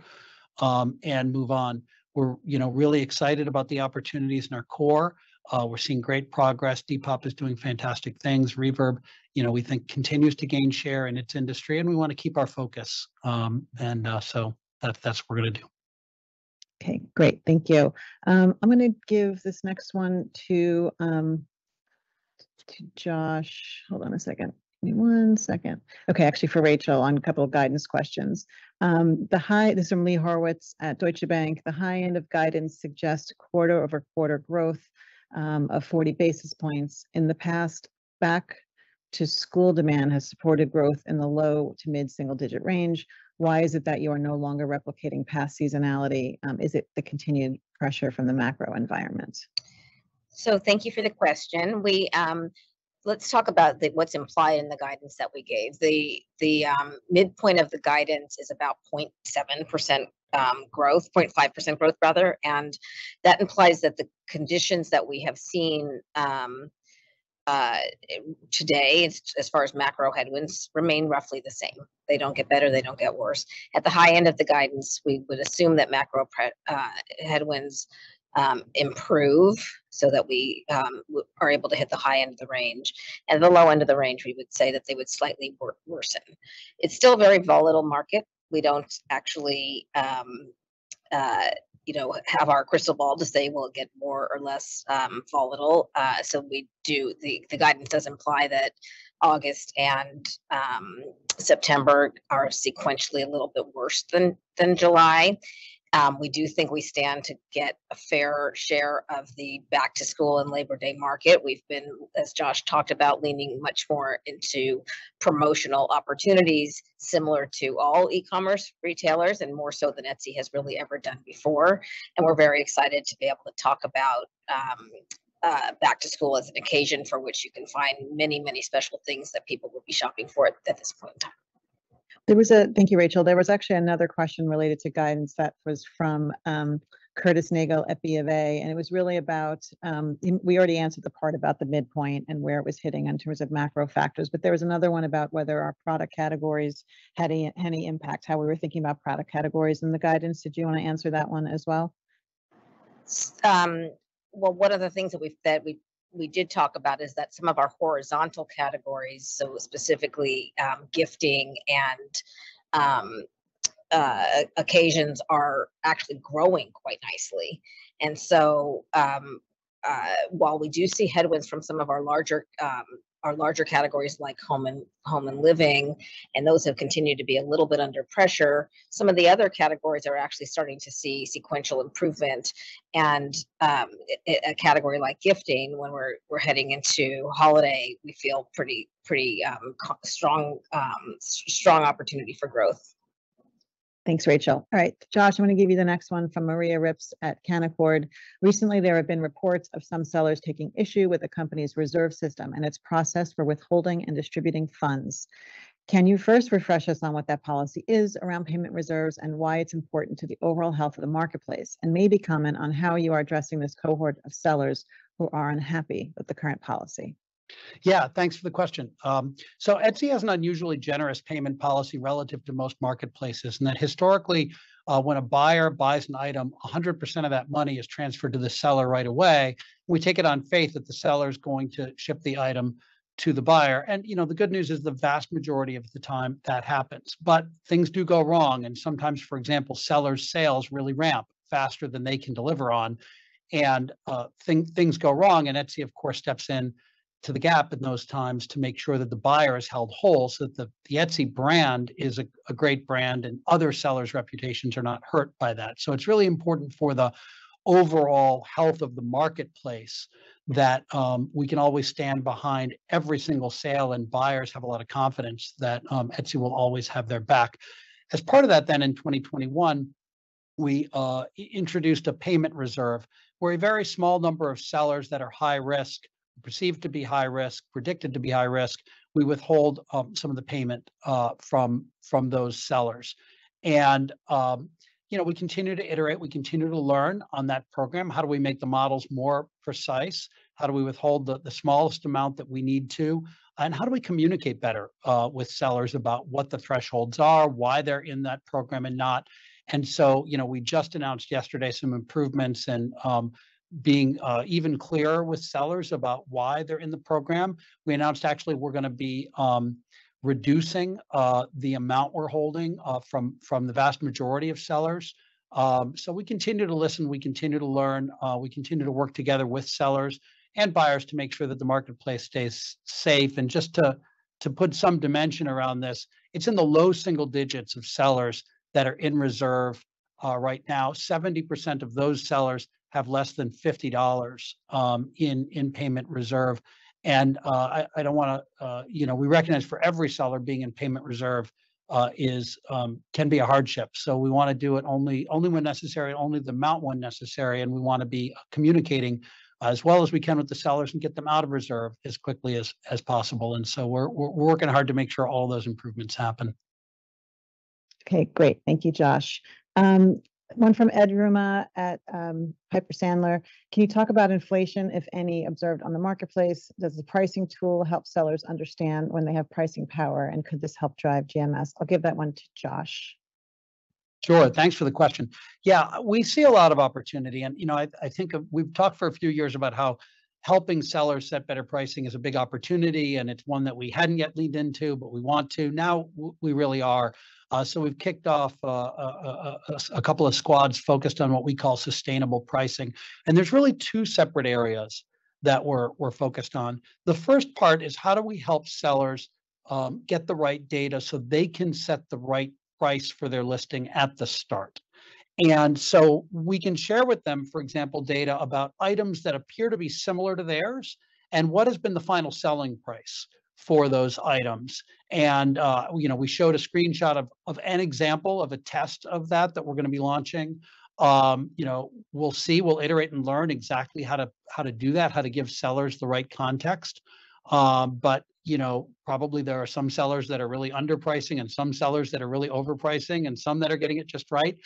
and move on. We're, you know, really excited about the opportunities in our core. We're seeing great progress. Depop is doing fantastic things. Reverb, you know, we think continues to gain share in its industry, and we want to keep our focus. That, that's what we're gonna do. Okay, great. Thank you. I'm gonna give this next one to Josh. Hold on a second, give me one second. Okay, actually, for Rachel, on a couple of guidance questions. The high, this is from Lee Horowitz at Deutsche Bank: "The high end of guidance suggests quarter-over-quarter growth of 40 basis points. In the past, back-to-school demand has supported growth in the low to mid-single-digit range. Why is it that you are no longer replicating past seasonality? Is it the continued pressure from the macro environment? Thank you for the question. We... Let's talk about the, what's implied in the guidance that we gave. The, the midpoint of the guidance is about 0.7% growth, 0.5% growth, rather. That implies that the conditions that we have seen today, as far as macro headwinds, remain roughly the same. They don't get better, they don't get worse. At the high end of the guidance, we would assume that macro headwinds improve, so that we are able to hit the high end of the range. The low end of the range, we would say that they would slightly worsen. It's still a very volatile market. We don't actually, you know, have our crystal ball to say we'll get more or less volatile. We do... The, the guidance does imply that August and September are sequentially a little bit worse than, than July. We do think we stand to get a fair share of the back-to-school and Labor Day market. We've been, as Josh talked about, leaning much more into promotional opportunities, similar to all e-commerce retailers, and more so than Etsy has really ever done before. We're very excited to be able to talk about back to school as an occasion for which you can find many, many special things that people will be shopping for at, at this point in time. There was a. Thank you, Rachel. There was actually another question related to guidance that was from Curtis Nagle at BofA. It was really about, and we already answered the part about the midpoint and where it was hitting in terms of macro factors. There was another one about whether our product categories had any, any impact, how we were thinking about product categories in the guidance. Did you want to answer that one as well? Well, one of the things that we've said, we, we did talk about is that some of our horizontal categories, so specifically, gifting and occasions, are actually growing quite nicely. While we do see headwinds from some of our larger, our larger categories, like home and- home and living, and those have continued to be a little bit under pressure, some of the other categories are actually starting to see sequential improvement. A category like gifting, when we're, we're heading into holiday, we feel pretty, pretty, strong, strong opportunity for growth. Thanks, Rachel. All right, Josh, I'm gonna give you the next one from Maria Ripps at Canaccord. "Recently, there have been reports of some sellers taking issue with the company's reserve system and its process for withholding and distributing funds. Can you first refresh us on what that policy is around payment reserves, and why it's important to the overall health of the marketplace? Maybe comment on how you are addressing this cohort of sellers who are unhappy with the current policy? Yeah, thanks for the question. Etsy has an unusually generous payment policy relative to most marketplaces, in that historically, when a buyer buys an item, 100% of that money is transferred to the seller right away. We take it on faith that the seller is going to ship the item to the buyer. You know, the good news is, the vast majority of the time, that happens. Things do go wrong, and sometimes, for example, sellers' sales really ramp faster than they can deliver on. Things go wrong, Etsy, of course, steps in to the gap in those times to make sure that the buyer is held whole, so that the, the Etsy brand is a, a great brand, and other sellers' reputations are not hurt by that. It's really important for the overall health of the marketplace that we can always stand behind every single sale, and buyers have a lot of confidence that Etsy will always have their back. As part of that, then, in 2021, we introduced a payment reserve, where a very small number of sellers that are high risk, perceived to be high risk, predicted to be high risk, we withhold some of the payment from, from those sellers. You know, we continue to iterate, we continue to learn on that program. How do we make the models more precise? How do we withhold the smallest amount that we need to? How do we communicate better with sellers about what the thresholds are, why they're in that program and not? So, you know, we just announced yesterday some improvements and being even clearer with sellers about why they're in the program. We announced, actually, we're gonna be reducing the amount we're holding from the vast majority of sellers. So we continue to listen, we continue to learn, we continue to work together with sellers and buyers to make sure that the marketplace stays safe. And just to put some dimension around this, it's in the low single digits of sellers that are in reserve right now. 70% of those sellers have less than $50 in payment reserve. And I don't wanna. You know, we recognize for every seller, being in payment reserve is can be a hardship. We wanna do it only, only when necessary, and only the amount when necessary, and we wanna be communicating as well as we can with the sellers and get them out of reserve as quickly as possible. We're, we're, we're working hard to make sure all those improvements happen. Okay, great. Thank you, Josh. One from Ed Yruma at Piper Sandler: "Can you talk about inflation, if any, observed on the marketplace? Does the pricing tool help sellers understand when they have pricing power, and could this help drive GMS?" I'll give that one to Josh. Sure. Thanks for the question. Yeah, we see a lot of opportunity, and, you know, we've talked for a few years about how helping sellers set better pricing is a big opportunity, and it's one that we hadn't yet leaned into, but we want to. Now, we really are. So we've kicked off a couple of squads focused on what we call sustainable pricing, and there's really two separate areas that we're focused on. The first part is how do we help sellers get the right data so they can set the right price for their listing at the start? So we can share with them, for example, data about items that appear to be similar to theirs, and what has been the final selling price for those items. You know, we showed a screenshot of an example of a test of that, that we're gonna be launching. You know, we'll see. We'll iterate and learn exactly how to, how to do that, how to give sellers the right context. You know, probably there are some sellers that are really underpricing and some sellers that are really overpricing, and some that are getting it just right.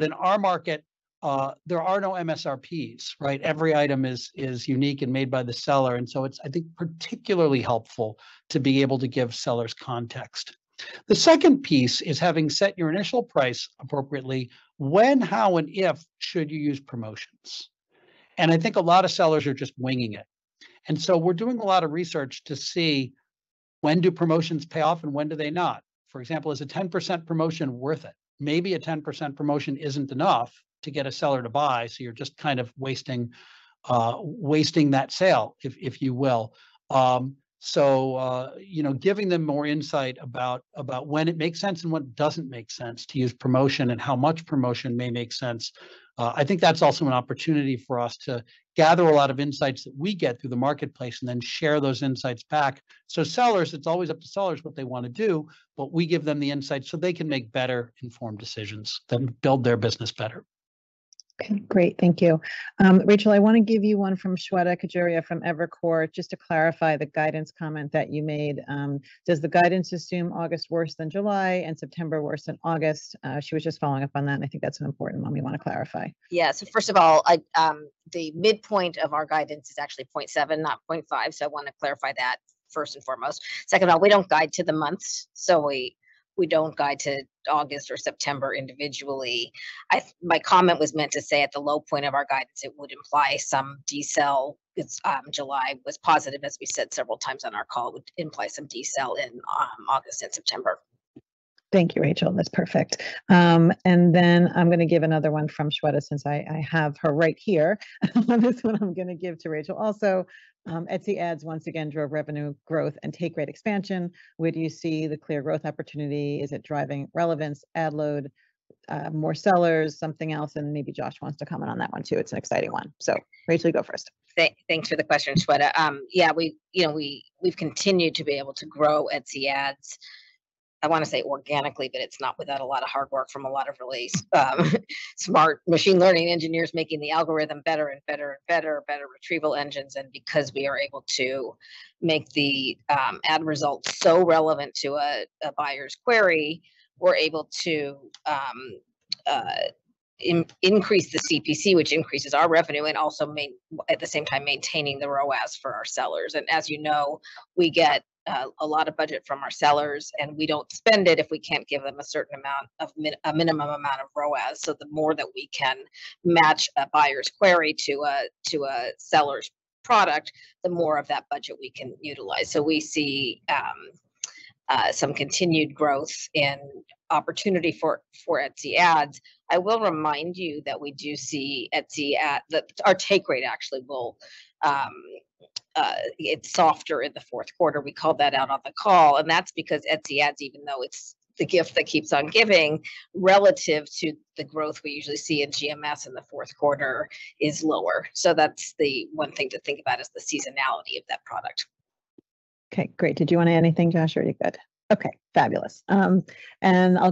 In our market, there are no MSRPs, right? Every item is unique and made by the seller, and so it's, I think, particularly helpful to be able to give sellers context. The second piece is having set your initial price appropriately, when, how, and if should you use promotions? I think a lot of sellers are just winging it. So we're doing a lot of research to see when do promotions pay off and when do they not. For example, is a 10% promotion worth it? Maybe a 10% promotion isn't enough to get a seller to buy, so you're just kind of wasting, wasting that sale, if you will. So, you know, giving them more insight about when it makes sense and when it doesn't make sense to use promotion, and how much promotion may make sense, I think that's also an opportunity for us to gather a lot of insights that we get through the marketplace, and then share those insights back. Sellers, it's always up to sellers what they wanna do, but we give them the insights so they can make better, informed decisions that build their business better. Okay, great. Thank you. Rachel, I wanna give you one from Shweta Khajuria from Evercore, just to clarify the guidance comment that you made. Does the guidance assume August worse than July, and September worse than August? She was just following up on that, and I think that's an important one we wanna clarify. Yeah, first of all, I, the midpoint of our guidance is actually 0.7, not 0.5, I wanna clarify that first and foremost. Second of all, we don't guide to the months, we, we don't guide to August or September individually. My comment was meant to say at the low point of our guidance, it would imply some decel, cause July was positive, as we said several times on our call, would imply some decel in August and September. Thank you, Rachel. That's perfect. Then I'm gonna give another one from Shweta, since I, I have her right here. This one I'm gonna give to Rachel also. Etsy Ads once again drove revenue growth and take rate expansion. Where do you see the clear growth opportunity? Is it driving relevance, ad load, more sellers, something else? Maybe Josh wants to comment on that one, too. It's an exciting one. Rachel, you go first. Thanks for the question, Shweta. Yeah, we, you know, we, we've continued to be able to grow Etsy Ads, I wanna say organically, but it's not without a lot of hard work from a lot of really smart machine learning engineers making the algorithm better and better and better, better retrieval engines. Because we are able to make the ad results so relevant to a buyer's query, we're able to increase the CPC, which increases our revenue, and also at the same time, maintaining the ROAS for our sellers. As you know, we get a lot of budget from our sellers, and we don't spend it if we can't give them a certain amount of a minimum amount of ROAS. The more that we can match a buyer's query to a, to a seller's product, the more of that budget we can utilize. We see some continued growth and opportunity for Etsy Ads. I will remind you that we do see That our take rate actually will, it's softer in the fourth quarter. We called that out on the call, and that's because Etsy Ads, even though it's the gift that keeps on giving, relative to the growth we usually see in GMS in the fourth quarter, is lower. That's the one thing to think about is the seasonality of that product. Okay, great. Did you wanna add anything, Josh, or are you good? Okay, fabulous. I'll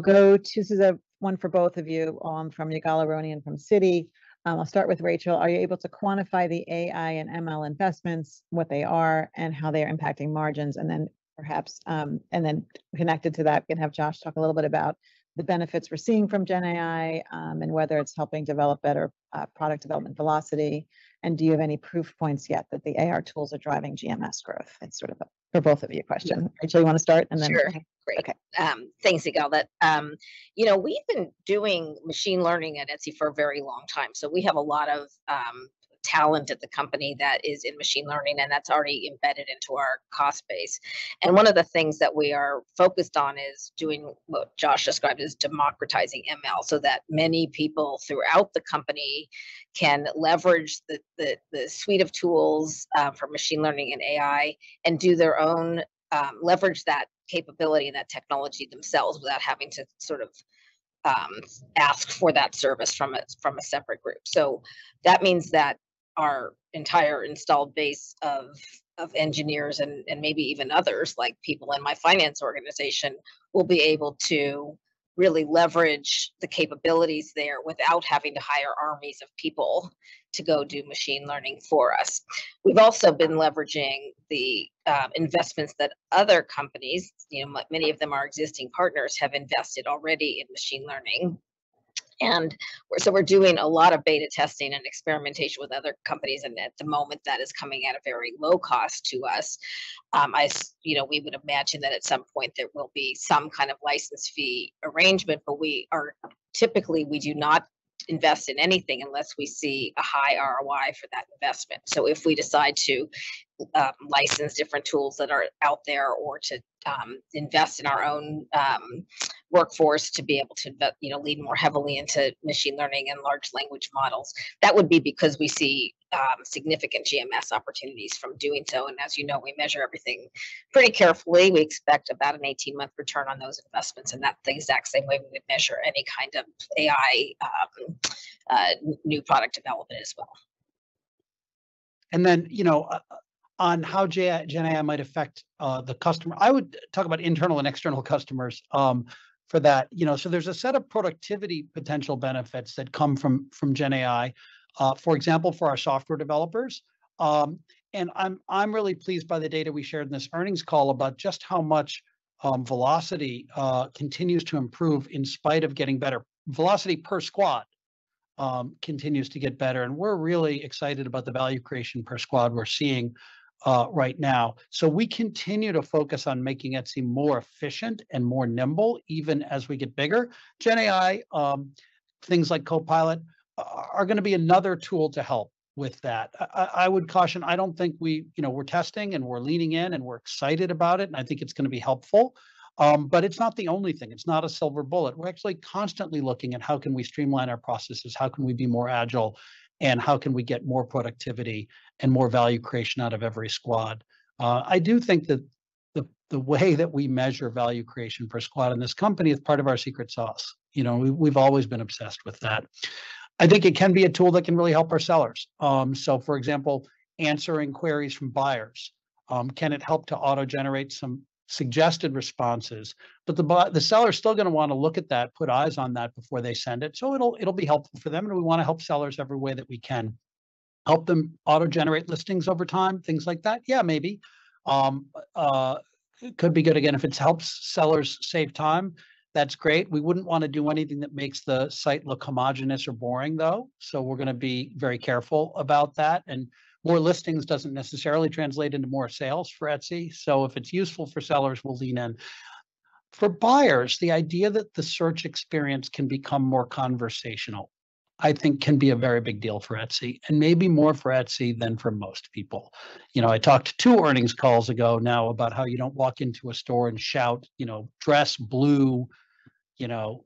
go to... This is a one for both of you, from Ygal Arounian and from Citi. I'll start with Rachel. Are you able to quantify the AI and ML investments, what they are, and how they are impacting margins? Then perhaps, and then connected to that, we can have Josh talk a little bit about the benefits we're seeing from GenAI, and whether it's helping develop better product development velocity. Do you have any proof points yet that the AR tools are driving GMS growth? It's sort of a for both of you question. Rachel, you wanna start, and then- Sure. Great. Okay. Thanks, Ygal. You know, we've been doing machine learning at Etsy for a very long time, so we have a lot of talent at the company that is in machine learning, and that's already embedded into our cost base. One of the things that we are focused on is doing, what Josh described, is democratizing ML, so that many people throughout the company can leverage the, the, the suite of tools for machine learning and AI, and do their own, leverage that capability and that technology themselves, without having to sort of ask for that service from a, from a separate group. That means that our entire installed base of, of engineers, and, and maybe even others, like people in my finance organization, will be able to really leverage the capabilities there without having to hire armies of people to go do machine learning for us. We've also been leveraging the investments that other companies, you know, like many of them are existing partners, have invested already in machine learning. We're doing a lot of beta testing and experimentation with other companies, and at the moment, that is coming at a very low cost to us. I, you know, we would imagine that at some point there will be some kind of license fee arrangement, but we are, typically, we do not invest in anything unless we see a high ROI for that investment. If we decide to. license different tools that are out there or to invest in our own workforce to be able to you know, lean more heavily into machine learning and large language models. That would be because we see significant GMS opportunities from doing so, and as you know, we measure everything pretty carefully. We expect about a 18-month return on those investments, and that the exact same way we would measure any kind of AI new product development as well. Then, you know, on how GenAI might affect the customer, I would talk about internal and external customers for that. You know, there's a set of productivity potential benefits that come from, from GenAI, for example, for our software developers. And I'm, I'm really pleased by the data we shared in this earnings call about just how much velocity continues to improve in spite of getting better. Velocity per squad continues to get better, and we're really excited about the value creation per squad we're seeing right now. We continue to focus on making Etsy more efficient and more nimble, even as we get bigger. GenAI, things like Copilot, are, are gonna be another tool to help with that. I, I, I would caution, I don't think we... You know, we're testing, and we're leaning in, and we're excited about it, and I think it's gonna be helpful. It's not the only thing. It's not a silver bullet. We're actually constantly looking at how can we streamline our processes, how can we be more agile, and how can we get more productivity and more value creation out of every squad? I do think that the, the way that we measure value creation per squad in this company is part of our secret sauce. You know, we've always been obsessed with that. I think it can be a tool that can really help our sellers. For example, answering queries from buyers, can it help to auto-generate some suggested responses? The seller's still gonna wanna look at that, put eyes on that before they send it, so it'll, it'll be helpful for them, and we wanna help sellers every way that we can. Help them auto-generate listings over time, things like that? Yeah, maybe. Could be good. Again, if it helps sellers save time, that's great. We wouldn't wanna do anything that makes the site look homogenous or boring, though, so we're gonna be very careful about that. More listings doesn't necessarily translate into more sales for Etsy, so if it's useful for sellers, we'll lean in. For buyers, the idea that the search experience can become more conversational, I think can be a very big deal for Etsy, and maybe more for Etsy than for most people. You know, I talked two earnings calls ago now about how you don't walk into a store and shout, you know, "Dress, blue," you know,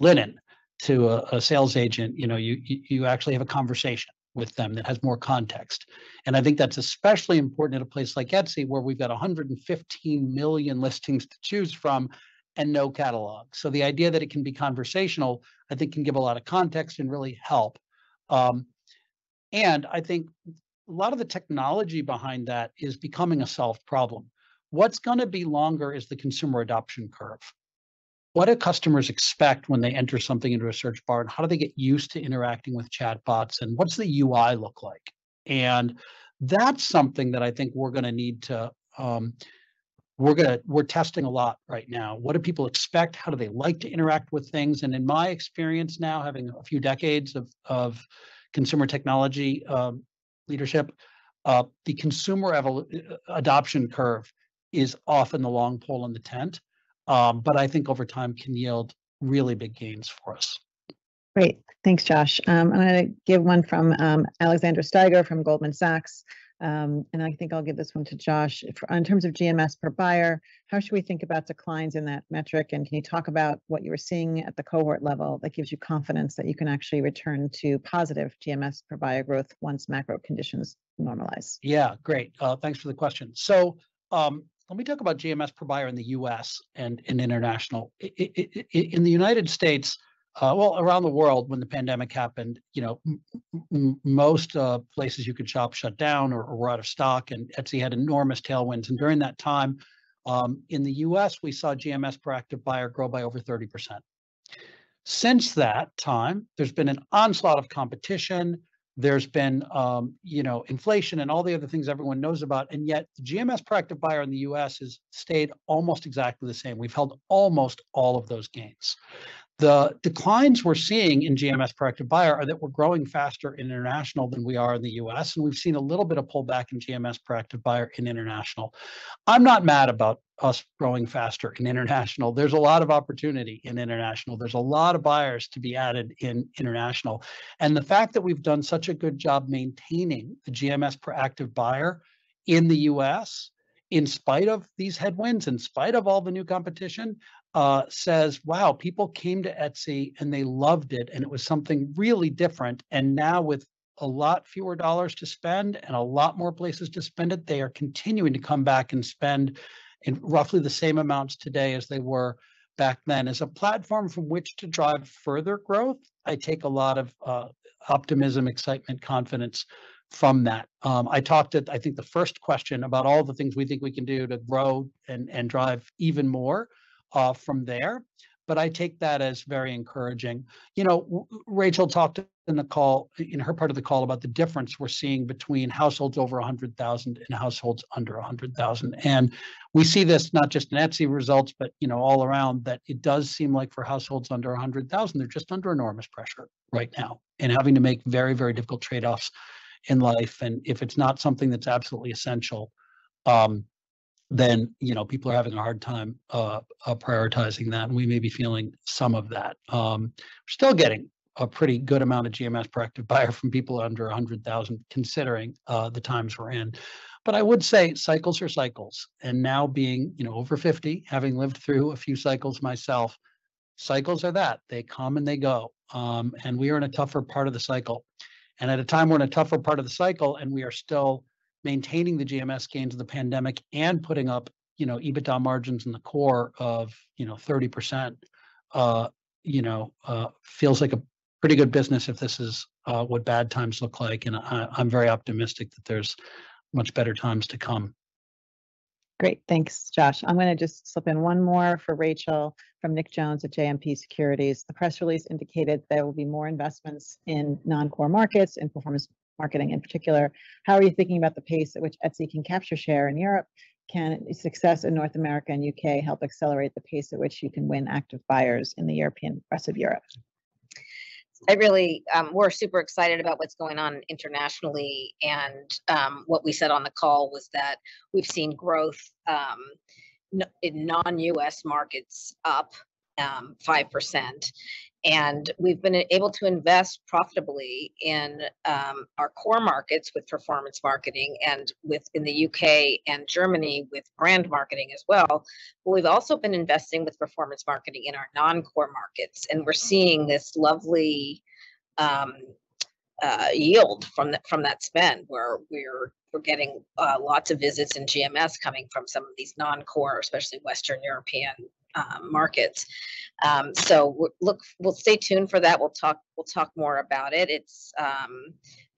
"linen," to a, a sales agent. You know, you, you, you actually have a conversation with them that has more context, and I think that's especially important at a place like Etsy, where we've got 115 million listings to choose from and no catalog. The idea that it can be conversational, I think can give a lot of context and really help. I think a lot of the technology behind that is becoming a solved problem. What's gonna be longer is the consumer adoption curve. What do customers expect when they enter something into a search bar, and how do they get used to interacting with chatbots, and what's the UI look like? That's something that I think we're gonna need to. We're testing a lot right now. What do people expect? How do they like to interact with things? In my experience now, having a few decades of, of consumer technology, leadership, the consumer adoption curve is often the long pole in the tent, but I think over time can yield really big gains for us. Great. Thanks, Josh. I'm gonna give one from Alexandra Steiger from Goldman Sachs. I think I'll give this one to Josh. "In terms of GMS per buyer, how should we think about declines in that metric, and can you talk about what you were seeing at the cohort level that gives you confidence that you can actually return to positive GMS per buyer growth once macro conditions normalize? Yeah, great. Thanks for the question. Let me talk about GMS per buyer in the U.S. and in international. In the United States, well, around the world when the pandemic happened, you know, most places you could shop shut down or were out of stock, and Etsy had enormous tailwinds. During that time, in the U.S., we saw GMS per active buyer grow by over 30%. Since that time, there's been an onslaught of competition. There's been, you know, inflation and all the other things everyone knows about, and yet GMS per active buyer in the U.S. has stayed almost exactly the same. We've held almost all of those gains. The declines we're seeing in GMS per active buyer are that we're growing faster in international than we are in the U.S., and we've seen a little bit of pullback in GMS per active buyer in international. I'm not mad about us growing faster in international. There's a lot of opportunity in international. There's a lot of buyers to be added in international, and the fact that we've done such a good job maintaining the GMS per active buyer in the U.S., in spite of these headwinds, in spite of all the new competition, says, "Wow, people came to Etsy, and they loved it, and it was something really different." Now, with a lot fewer U.S. dollars to spend and a lot more places to spend it, they are continuing to come back and spend in roughly the same amounts today as they were back then. As a platform from which to drive further growth, I take a lot of optimism, excitement, confidence from that. I talked at, I think, the first question about all the things we think we can do to grow and drive even more from there, I take that as very encouraging. You know, Rachel talked in the call, in her part of the call, about the difference we're seeing between households over 100,000 and households under 100,000. We see this not just in Etsy results, but, you know, all around, that it does seem like for households under 100,000, they're just under enormous pressure right now and having to make very, very difficult trade-offs in life. If it's not something that's absolutely essential... You know, people are having a hard time prioritizing that, and we may be feeling some of that. We're still getting a pretty good amount of GMS proactive buyer from people under 100,000, considering the times we're in. I would say cycles are cycles, and now being, you know, over 50, having lived through a few cycles myself, cycles are that: they come, and they go. We are in a tougher part of the cycle, and at a time we're in a tougher part of the cycle, and we are still maintaining the GMS gains of the pandemic and putting up, you know, EBITDA margins in the core of, you know, 30%, you know, feels like a pretty good business if this is what bad times look like, and I, I'm very optimistic that there's much better times to come. Great. Thanks, Josh. I'm gonna just slip in one more for Rachel from Nick Jones at JMP Securities. "The press release indicated there will be more investments in non-core markets and performance marketing in particular. How are you thinking about the pace at which Etsy can capture share in Europe? Can success in North America and U.K. help accelerate the pace at which you can win active buyers in the European, rest of Europe? I really, we're super excited about what's going on internationally, what we said on the call was that we've seen growth in non-U.S. markets up 5%. We've been able to invest profitably in our core markets with performance marketing and with, in the U.K. and Germany, with brand marketing as well. We've also been investing with performance marketing in our non-core markets, and we're seeing this lovely yield from that spend, where we're, we're getting lots of visits and GMS coming from some of these non-core, especially Western European markets. Look, well, stay tuned for that. We'll talk, we'll talk more about it. It's,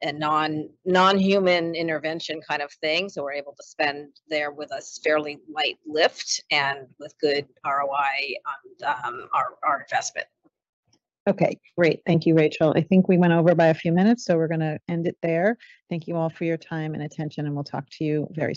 a non, non-human intervention kind of thing, so we're able to spend there with a fairly light lift and with good ROI on, our, our investment. Okay, great. Thank you, Rachel. I think we went over by a few minutes. We're gonna end it there. Thank you all for your time and attention. We'll talk to you very soon.